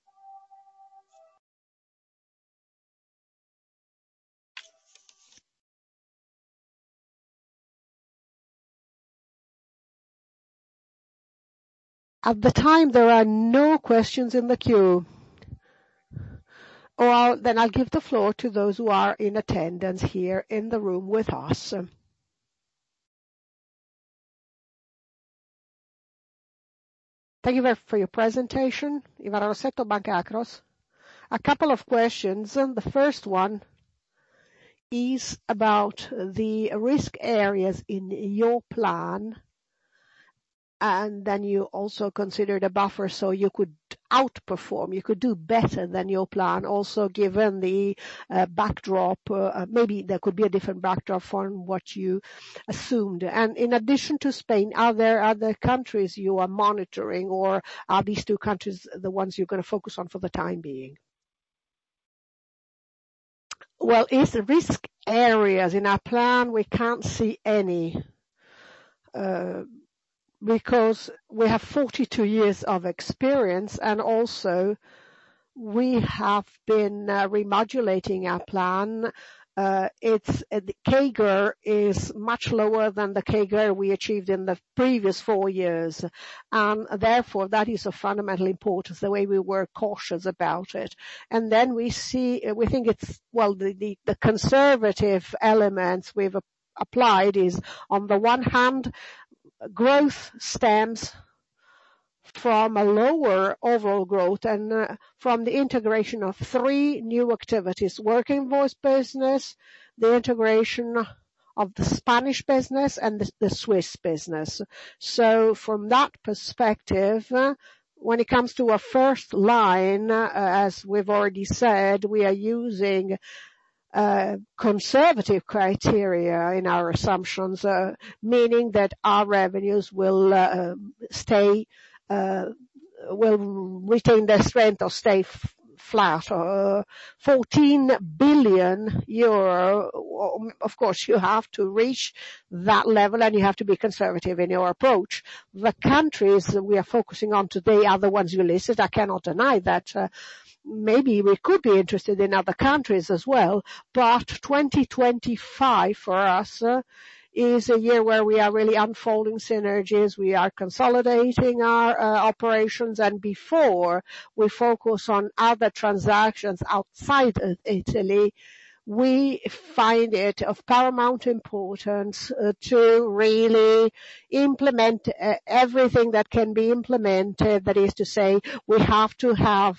At the time, there are no questions in the queue. Well, I'll give the floor to those who are in attendance here in the room with us. Thank you for your presentation. Irene Rossetto, Banca Akros. A couple of questions. The first one is about the risk areas in your plan, and then you also considered a buffer so you could outperform, you could do better than your plan. Also, given the backdrop, maybe there could be a different backdrop from what you assumed. In addition to Spain, are there other countries you are monitoring, or are these two countries the ones you're going to focus on for the time being? Well, risk areas in our plan, we can't see any, because we have 42 years of experience, and also, we have been remodulating our plan. The CAGR is much lower than the CAGR we achieved in the previous four years, and therefore, that is of fundamental importance, the way we were cautious about it. We think, well, the conservative elements we've applied is, on the one hand, growth stems from a lower overall growth and from the integration of three new activities, Workinvoice business, the integration of the Spanish business, and the Swiss business. From that perspective, when it comes to our first line, as we've already said, we are using conservative criteria in our assumptions, meaning that our revenues will stay. Will retain their strength or stay flat. 14 billion euro, of course, you have to reach that level, and you have to be conservative in your approach. The countries we are focusing on today are the ones you listed. I cannot deny that maybe we could be interested in other countries as well. 2025 for us is a year where we are really unfolding synergies, we are consolidating our operations, and before we focus on other transactions outside of Italy, we find it of paramount importance to really implement everything that can be implemented. That is to say, we have to have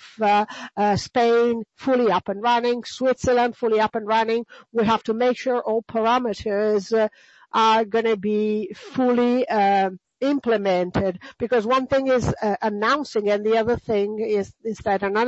Spain fully up and running, Switzerland fully up and running. We have to make sure all parameters are going to be fully implemented, because one thing is announcing, and another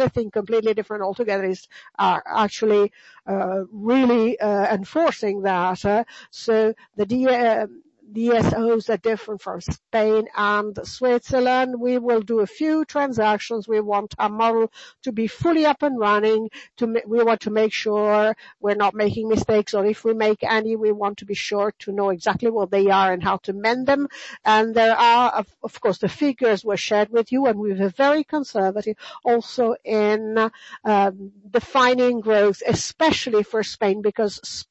thing completely different altogether is actually really enforcing that. So the DSOs are different from Spain and Switzerland. We will do a few transactions. We want our model to be fully up and running. We want to make sure we're not making mistakes, or if we make any, we want to be sure to know exactly what they are and how to mend them. And there are, of course, the figures were shared with you, and we were very conservative also in defining growth, especially for Spain, because Spain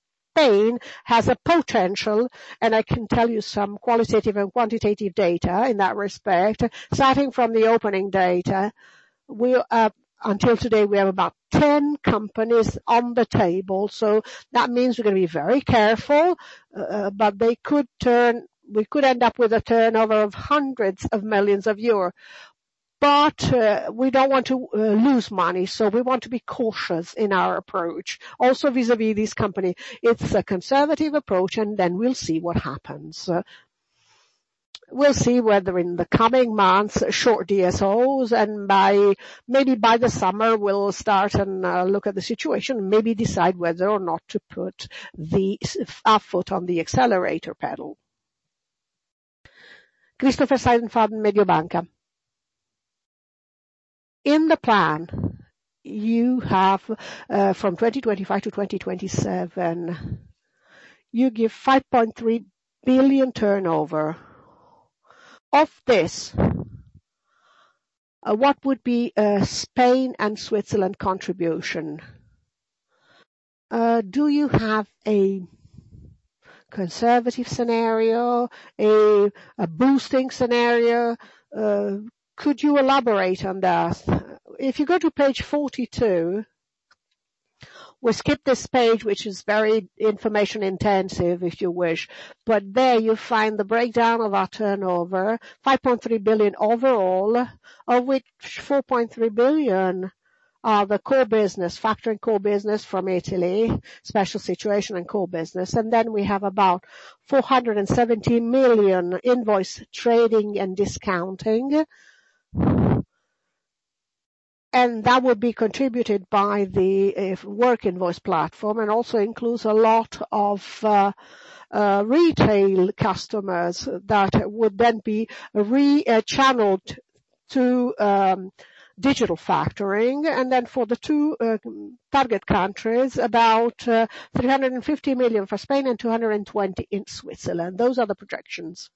has a potential, and I can tell you some qualitative and quantitative data in that respect. Starting from the opening data, until today, we have about 10 companies on the table. So that means we're going to be very careful. But we could end up with a turnover of hundreds of millions of euro. But we don't want to lose money, so we want to be cautious in our approach. Also vis-à-vis this company, it's a conservative approach and then we'll see what happens. We'll see whether in the coming months, short DSOs and maybe by the summer we'll start and look at the situation, and maybe decide whether or not to put our foot on the accelerator pedal. Christopher Seidenfaden, Mediobanca. In the plan you have from 2025-2027, you give 5.3 billion turnover. Of this, what would be Spain and Switzerland contribution? Do you have a conservative scenario, a boosting scenario? Could you elaborate on that? If you go to page 42, we skip this page, which is very information intensive, if you wish. There you'll find the breakdown of our turnover, 5.3 billion overall, of which 3.3 billion are the core business, factoring core business from Italy, special situation and core business. We have about 417 million invoice trading and discounting. That would be contributed by the Workinvoice platform, and also includes a lot of retail customers that would then be rechanneled to digital factoring. For the two target countries, about 350 million for Spain and 220 in Switzerland. Those are the projections.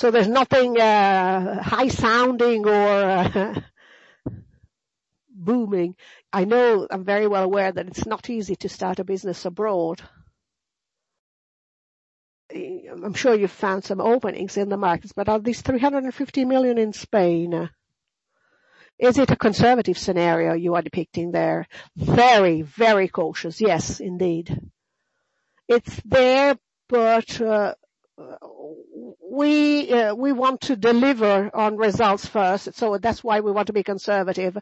There's nothing high-sounding or booming. I'm very well aware that it's not easy to start a business abroad. I'm sure you've found some openings in the markets, but are these 350 million in Spain, is it a conservative scenario you are depicting there? Very cautious, yes, indeed. It's there, but we want to deliver on results first, so that's why we want to be conservative.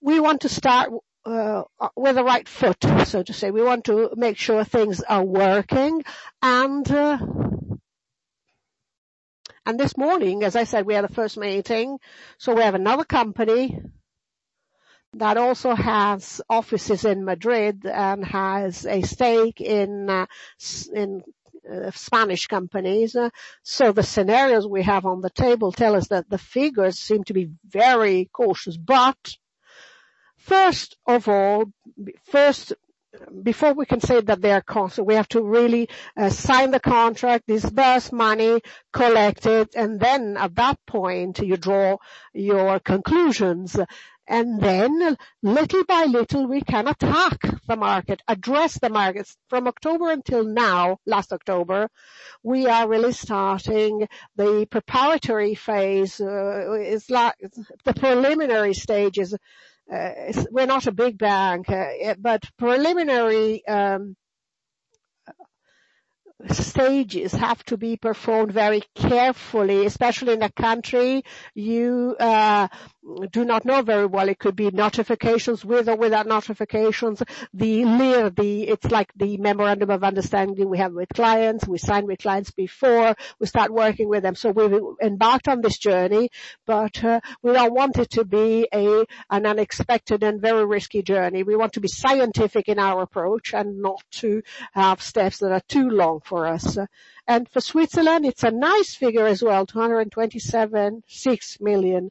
We want to start with the right foot, so to say. We want to make sure things are working. This morning, as I said, we had a first meeting, so we have another company that also has offices in Madrid and has a stake in Spanish companies. The scenarios we have on the table tell us that the figures seem to be very cautious. First of all, before we can say that they are cons, we have to really sign the contract, disburse money, collect it, and then at that point, you draw your conclusions. Little by little, we can attack the market, address the markets. From October until now, last October, we are really starting the preparatory phase, the preliminary stages. We're not a big bank. Preliminary stages have to be performed very carefully, especially in a country you do not know very well. It could be notifications, with or without notifications. The MOU, it's like the Memorandum of Understanding we have with clients. We sign with clients before we start working with them. We've embarked on this journey. We don't want it to be an unexpected and very risky journey. We want to be scientific in our approach and not to have steps that are too long for us. For Switzerland, it's a nice figure as well, 227.6 million.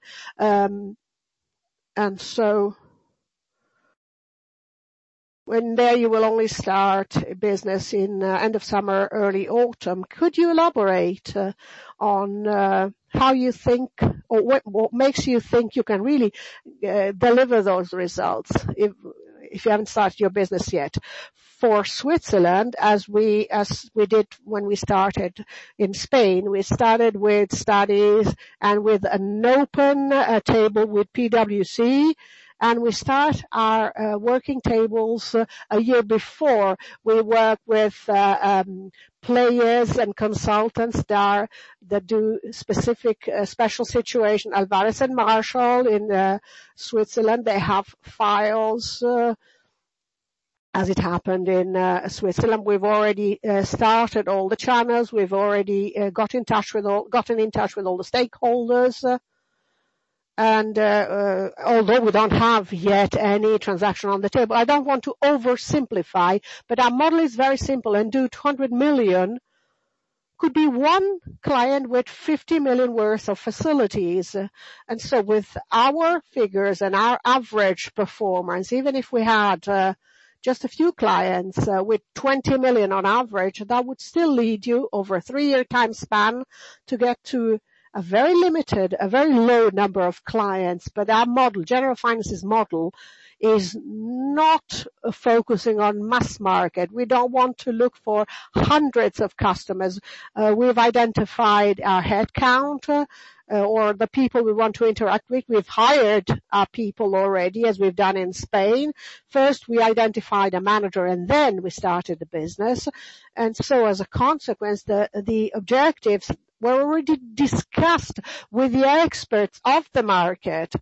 There you will only start business in end of summer, early autumn. Could you elaborate on how you think or what makes you think you can really deliver those results if you haven't started your business yet? For Switzerland, as we did when we started in Spain, we started with studies and with an open table with PwC, and we start our working tables a year before. We work with players and consultants that do specific special situation. Alvarez & Marsal in Switzerland, they have files as it happened in Switzerland. We've already started all the channels. We've already got in touch with all the stakeholders. Although we don't have yet any transaction on the table, I don't want to oversimplify, but our model is very simple and do 200 million could be one client with 50 million worth of facilities. With our figures and our average performance, even if we had just a few clients with 20 million on average, that would still lead you over a three-year time span to get to a very limited, a very low number of clients. Our model, Generalfinance's model, is not focusing on mass market. We don't want to look for hundreds of customers. We've identified our headcount or the people we want to interact with. We've hired our people already, as we've done in Spain. First, we identified a manager, and then we started the business. As a consequence, the objectives were already discussed with the experts of the market,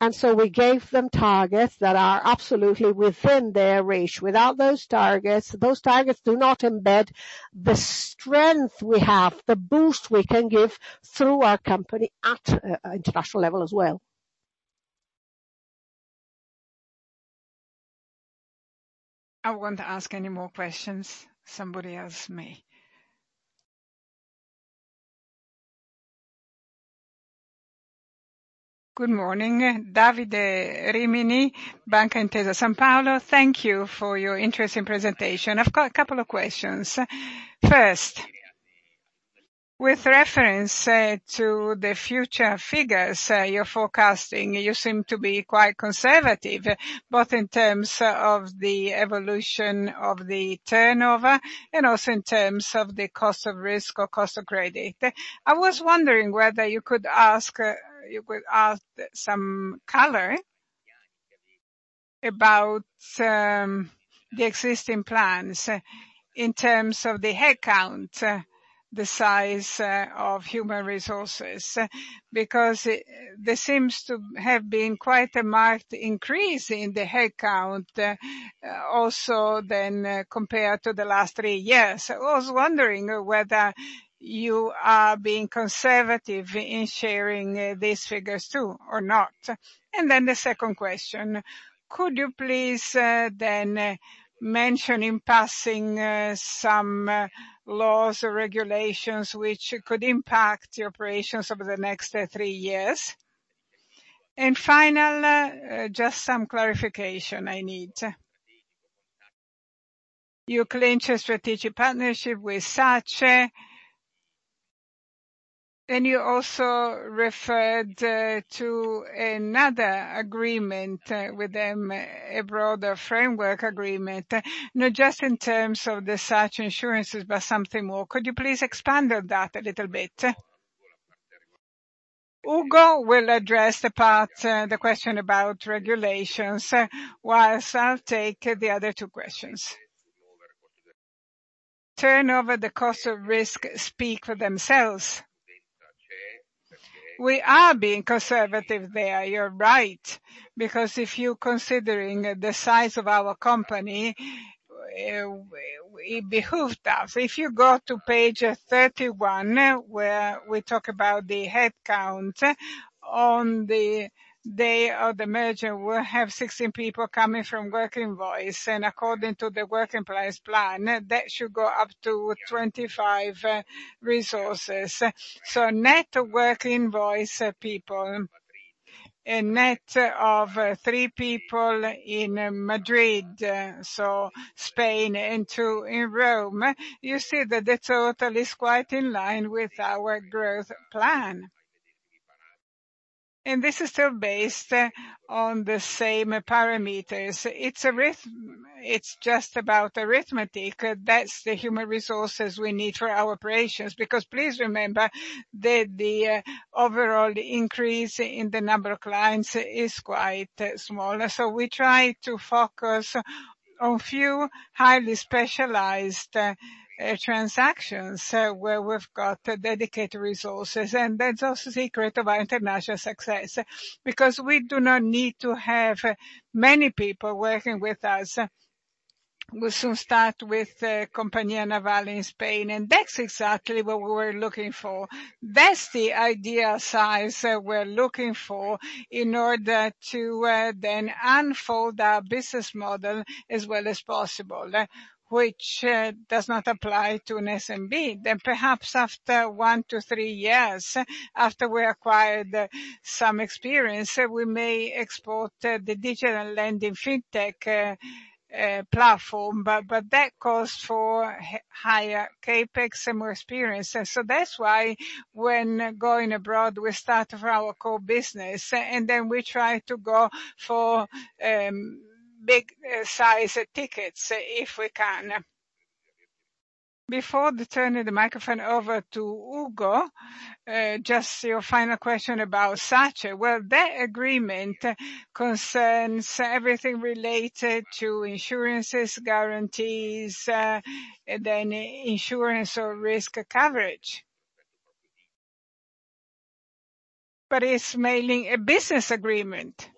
and so we gave them targets that are absolutely within their reach. Without those targets, those targets do not embed the strength we have, the boost we can give through our company at international level as well. I won't ask any more questions. Somebody else may. Good morning. Davide Rimini, Intesa Sanpaolo. Thank you for your interesting presentation. I've got a couple of questions. First, with reference to the future figures you're forecasting, you seem to be quite conservative, both in terms of the evolution of the turnover and also in terms of the cost of risk or cost of credit. I was wondering whether you could add some color about the existing plans in terms of the headcount, the size of human resources, because there seems to have been quite a marked increase in the headcount also than compared to the last three years. I was wondering whether you are being conservative in sharing these figures, too, or not. The second question, could you please then mention in passing some laws or regulations which could impact the operations over the next three years? Finally, just some clarification I need. You clinch a strategic partnership with SACE, and you also referred to another agreement with them, a broader framework agreement, not just in terms of the SACE insurances, but something more. Could you please expand on that a little bit? Ugo will address the part, the question about regulations, while I'll take the other two questions. Turnover, the cost of risk, speak for themselves. We are being conservative there, you're right, because if you're considering the size of our company, it behooved us. If you go to page 31, where we talk about the headcount on the day of the merger, we have 16 people coming from Workinvoice, and according to the Workinvoice plan, that should go up to 25 resources. So net Workinvoice people, net of three people in Madrid, so Spain, and two in Rome. You see that the total is quite in line with our growth plan. This is still based on the same parameters. It's just about arithmetic. That's the human resources we need for our operations, because please remember that the overall increase in the number of clients is quite small. We try to focus on few highly specialized transactions where we've got dedicated resources, and that's also secret of our international success, because we do not need to have many people working with us. We'll soon start with Compañía Naval in Spain, and that's exactly what we were looking for. That's the ideal size that we're looking for in order to then unfold our business model as well as possible, which does not apply to an SMB. Perhaps after one to three years, after we acquired some experience, we may export the digital lending fintech platform, but that calls for higher CapEx and more experience. That's why when going abroad, we start with our core business, and then we try to go for big size tickets, if we can. Before turning the microphone over to Ugo, just your final question about SACE. Well, that agreement concerns everything related to insurances, guarantees, then insurance or risk coverage. It's mainly a business agreement.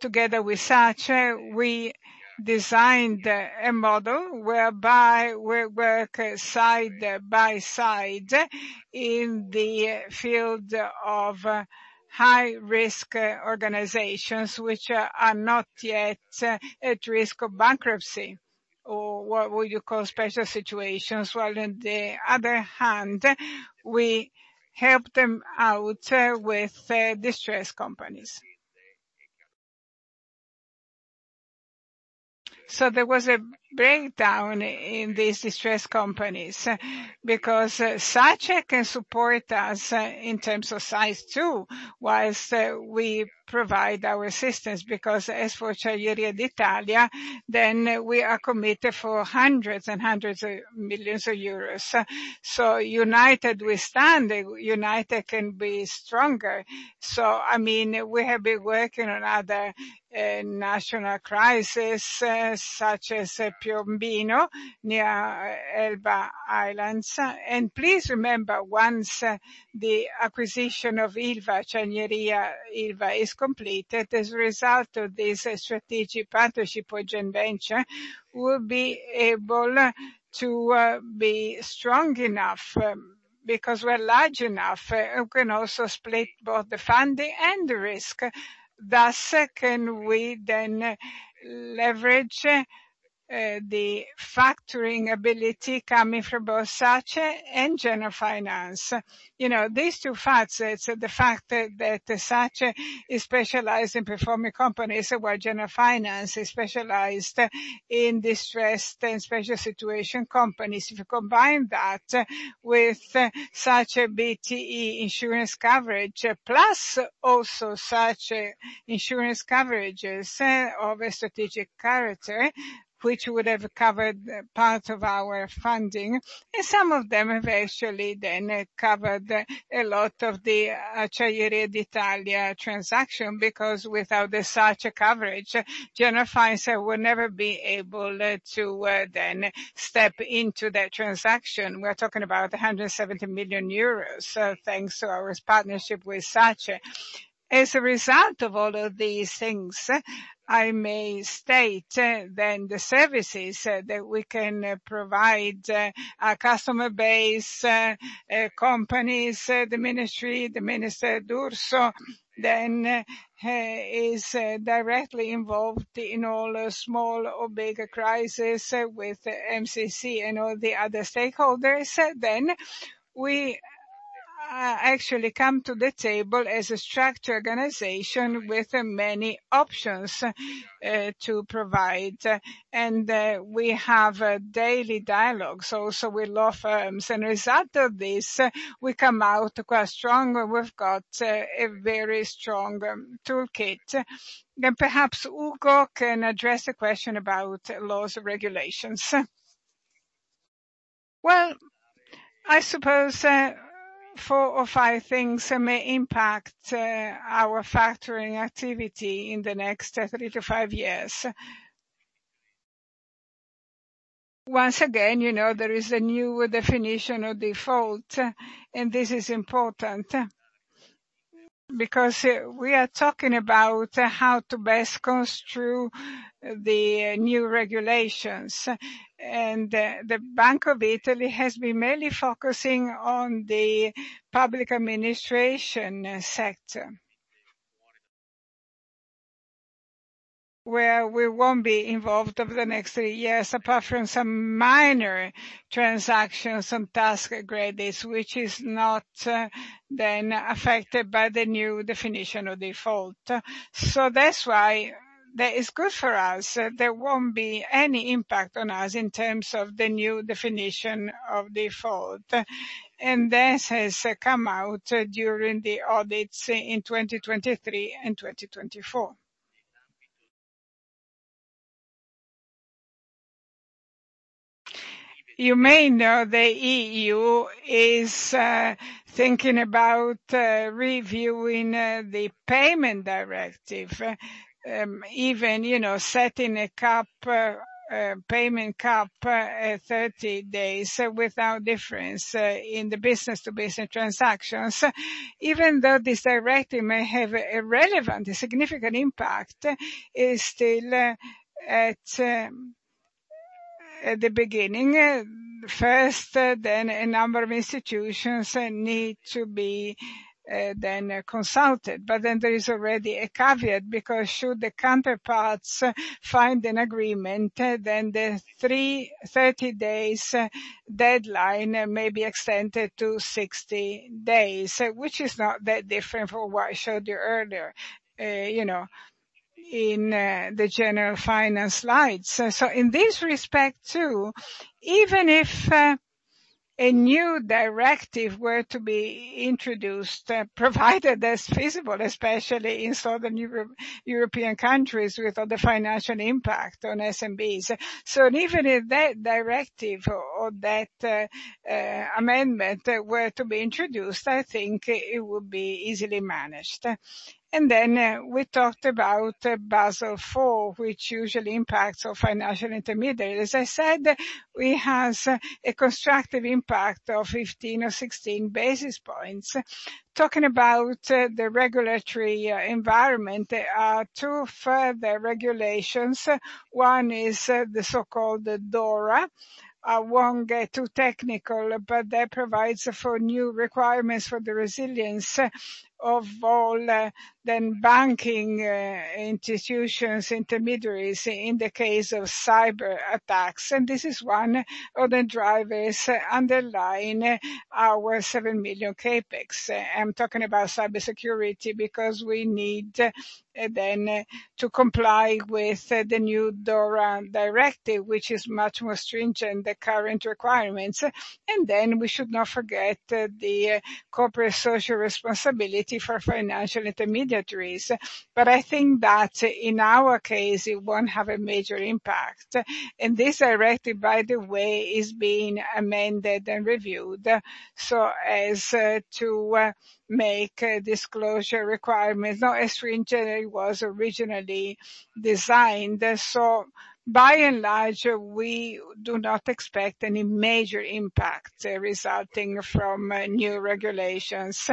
Together with SACE, we designed a model whereby we work side by side in the field of high-risk organizations, which are not yet at risk of bankruptcy, or what you call special situations, while on the other hand, we help them out with distressed companies. There was a breakdown in these distressed companies because SACE can support us in terms of size too, while we provide our assistance. As for Acciaierie d'Italia, we are committed for hundreds and hundreds of millions of euros. United, we stand. United can be stronger. We have been working on another national crisis, such as Piombino, near Elba Island. Please remember, once the acquisition of Ilva, Acciaierie d'Italia is completed as a result of this strategic partnership joint venture, we'll be able to be strong enough. Because we're large enough, we can also split both the funding and the risk. Thus, we can then leverage the factoring ability coming from both SACE and Generalfinance. These two facets, the fact that SACE is specialized in performing companies while Generalfinance is specialized in distressed and special situation companies. If you combine that with SACE BT insurance coverage, plus also SACE insurance coverages of a strategic character, which would have covered part of our funding. Some of them have actually then covered a lot of the Acciaierie d'Italia transaction, because without the SACE coverage, Generalfinance would never be able to then step into that transaction. We're talking about 170 million euros, thanks to our partnership with SACE. As a result of all of these things, I may state the services that we can provide our customer base, companies, the ministry. The Minister Urso is directly involved in all small or big crises with MCC and all the other stakeholders. We actually come to the table as a structured organization with many options to provide. We have daily dialogues also with law firms. As a result of this, we come out quite strong, and we've got a very strong toolkit. Perhaps Ugo can address a question about laws and regulations. Well, I suppose four or five things may impact our factoring activity in the next three to five years. Once again, there is a new definition of default, and this is important. Because we are talking about how to best construe the new regulations, and the Bank of Italy has been mainly focusing on the public administration sector. Where we won't be involved over the next three years, apart from some minor transactions, some tax credits, which is not then affected by the new definition of default. That's why that is good for us. There won't be any impact on us in terms of the new definition of default. This has come out during the audits in 2023 and 2024. You may know the EU is thinking about reviewing the payment directive, even setting a payment cap 30 days without difference in the business-to-business transactions. Even though this directive may have a relevant, a significant impact, it's still at At the beginning, first a number of institutions need to be consulted. There is already a caveat, because should the counterparts find an agreement, the 30 days deadline may be extended to 60 days, which is not that different from what I showed you earlier in the Generalfinance slides. In this respect too, even if a new directive were to be introduced, provided that's feasible, especially in Southern European countries with all the financial impact on SMBs, even if that directive or that amendment were to be introduced, I think it would be easily managed. We talked about Basel IV, which usually impacts our financial intermediaries. As I said, we have a constructive impact of 15 or 16 basis points. Talking about the regulatory environment, there are two further regulations. One is the so-called DORA. I won't get too technical, but that provides for new requirements for the resilience of all the banking institutions, intermediaries, in the case of cyber-attacks. This is one of the drivers underlying our 7 million CapEx. I'm talking about cybersecurity because we need to comply with the new DORA directive, which is much more stringent than current requirements. We should not forget the corporate social responsibility for financial intermediaries. I think that in our case, it won't have a major impact. This directive, by the way, is being amended and reviewed so as to make disclosure requirements not as stringent as it was originally designed. By and large, we do not expect any major impact resulting from new regulations.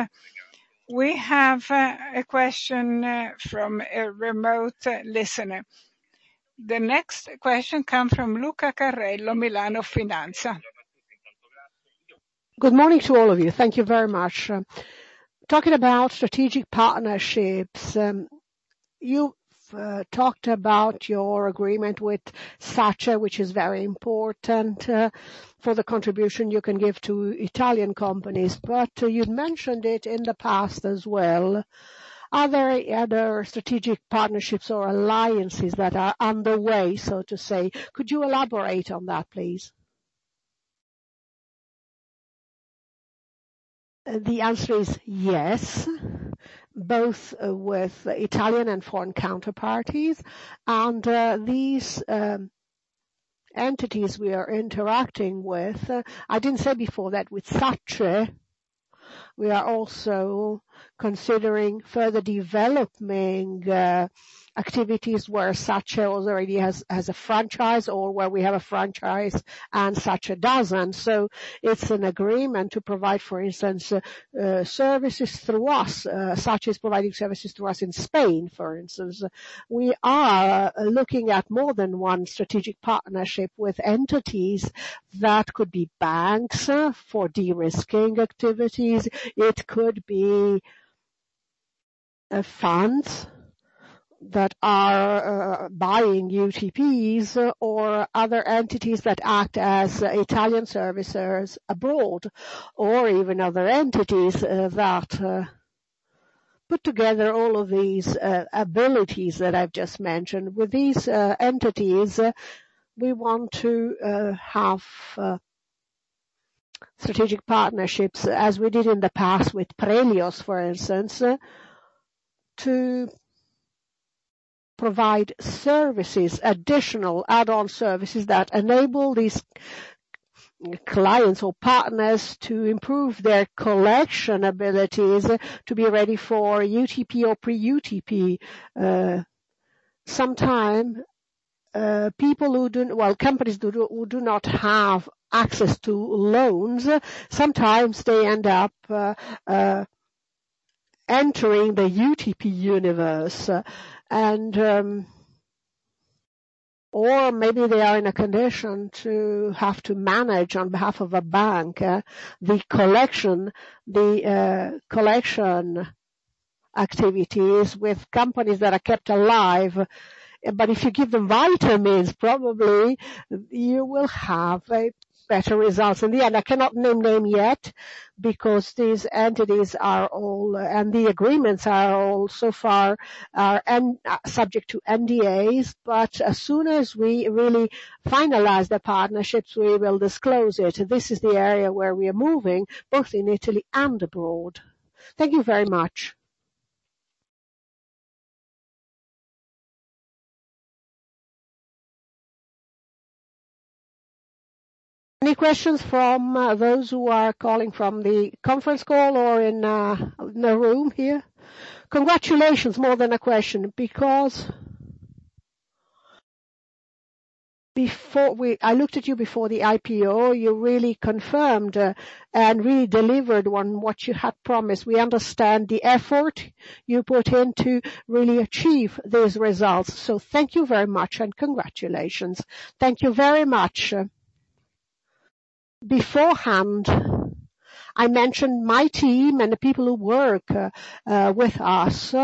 We have a question from a remote listener. The next question come from Luca Carrello, Milano Finanza. Good morning to all of you. Thank you very much. Talking about strategic partnerships, you've talked about your agreement with SACE, which is very important for the contribution you can give to Italian companies, but you've mentioned it in the past as well. Are there other strategic partnerships or alliances that are underway, so to say? Could you elaborate on that, please? The answer is yes, both with Italian and foreign counterparties. These entities we are interacting with, I didn't say before that with SACE, we are also considering further developing activities where SACE already has a franchise or where we have a franchise and SACE doesn't. It's an agreement to provide, for instance, services through us. SACE is providing services to us in Spain, for instance. We are looking at more than one strategic partnership with entities that could be banks for de-risking activities. It could be funds that are buying UTPs or other entities that act as Italian servicers abroad or even other entities that put together all of these abilities that I've just mentioned. With these entities, we want to have strategic partnerships, as we did in the past with Premafin, for instance, to provide services, additional add-on services that enable these clients or partners to improve their collection abilities to be ready for UTP or pre-UTP. Sometime, companies who do not have access to loans, sometimes they end up entering the UTP universe, or maybe they are in a condition to have to manage on behalf of a bank, the collection activities with companies that are kept alive. If you give them vitamins, probably you will have better results in the end. I cannot name them yet because the agreements are all so far are subject to NDAs. As soon as we really finalize the partnerships, we will disclose it. This is the area where we are moving, both in Italy and abroad. Thank you very much. Any questions from those who are calling from the conference call or in the room here? Congratulations. More than a question, because I looked at you before the IPO, you really confirmed and really delivered on what you had promised. We understand the effort you put in to really achieve those results. Thank you very much, and congratulations. Thank you very much. Beforehand, I mentioned my team and the people who work with us,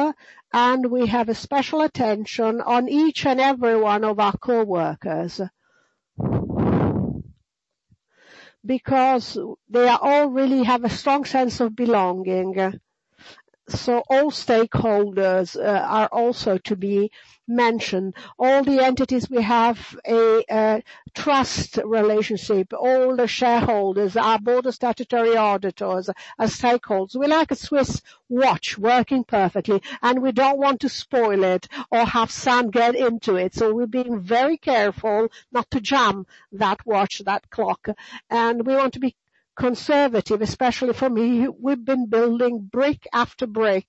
and we have a special attention on each and every one of our coworkers, because they all really have a strong sense of belonging. All stakeholders are also to be mentioned, all the entities we have a trust relationship, all the shareholders, our Board of Statutory Auditors, our stakeholders. We're like a Swiss watch, working perfectly, and we don't want to spoil it or have sand get into it. We're being very careful not to jam that watch, that clock. We want to be conservative. Especially for me, we've been building brick after brick.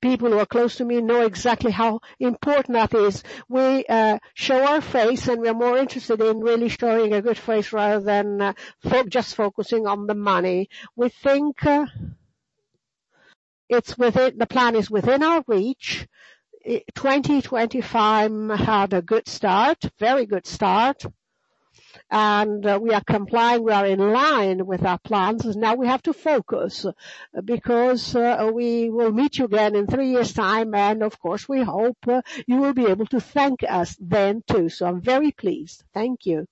People who are close to me know exactly how important that is. We show our face, and we are more interested in really showing a good face rather than just focusing on the money. We think the plan is within our reach. 2025 had a good start, very good start. We are complying, we are in line with our plans. Now we have to focus, because we will meet you again in three years' time, and of course, we hope you will be able to thank us then, too. I'm very pleased. Thank you.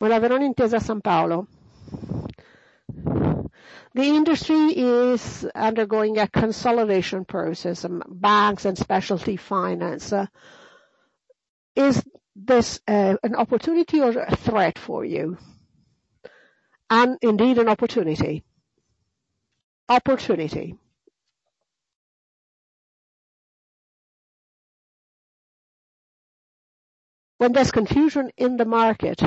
We are Intesa Sanpaolo. The industry is undergoing a consolidation process, banks and specialty finance. Is this an opportunity or a threat for you? Indeed, an opportunity. Opportunity. When there's confusion in the market,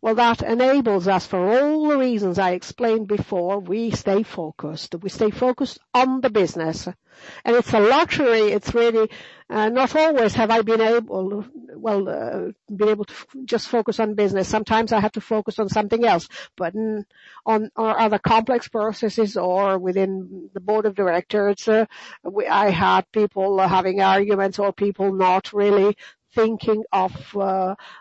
well, that enables us, for all the reasons I explained before, we stay focused. We stay focused on the business. It's a luxury. It's really not always have I been able to just focus on business. Sometimes I have to focus on something else. On other complex processes or within the Board of Directors, I had people having arguments or people not really thinking of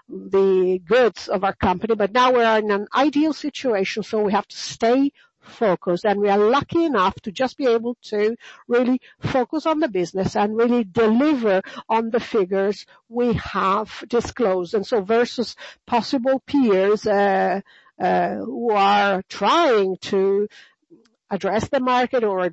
the goods of our company. Now we are in an ideal situation, so we have to stay focused, and we are lucky enough to just be able to really focus on the business and really deliver on the figures we have disclosed. Versus possible peers who are trying to address the market or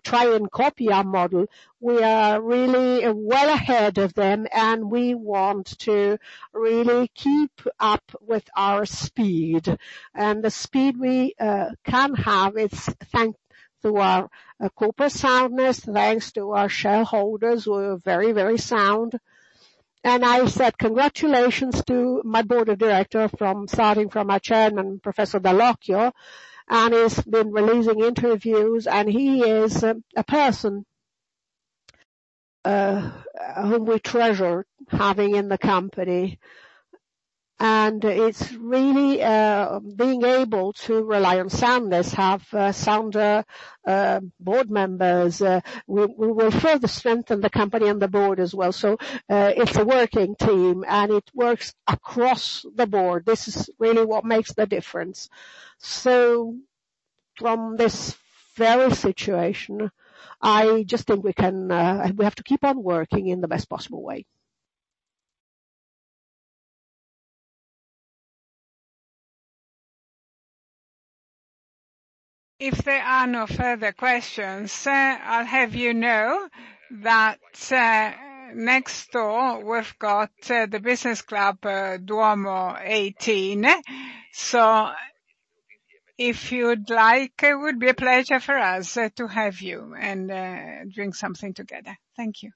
try and copy our model, we are really well ahead of them, and we want to really keep up with our speed. The speed we can have, it's thanks to our corporate soundness, thanks to our shareholders, we're very sound. I said congratulations to my Board of Directors starting from our Chairman, Professor Dallocchio, and he's been releasing interviews, and he is a person whom we treasure having in the company. It's really being able to rely on soundness, have sound Board members. We will further strengthen the company and the Board as well. It's a working team, and it works across the board. This is really what makes the difference. From this very situation, I just think we have to keep on working in the best possible way. If there are no further questions, I'll have you know that next door, we've got the Business Club Duomo 18. If you'd like, it would be a pleasure for us to have you and drink something together. Thank you.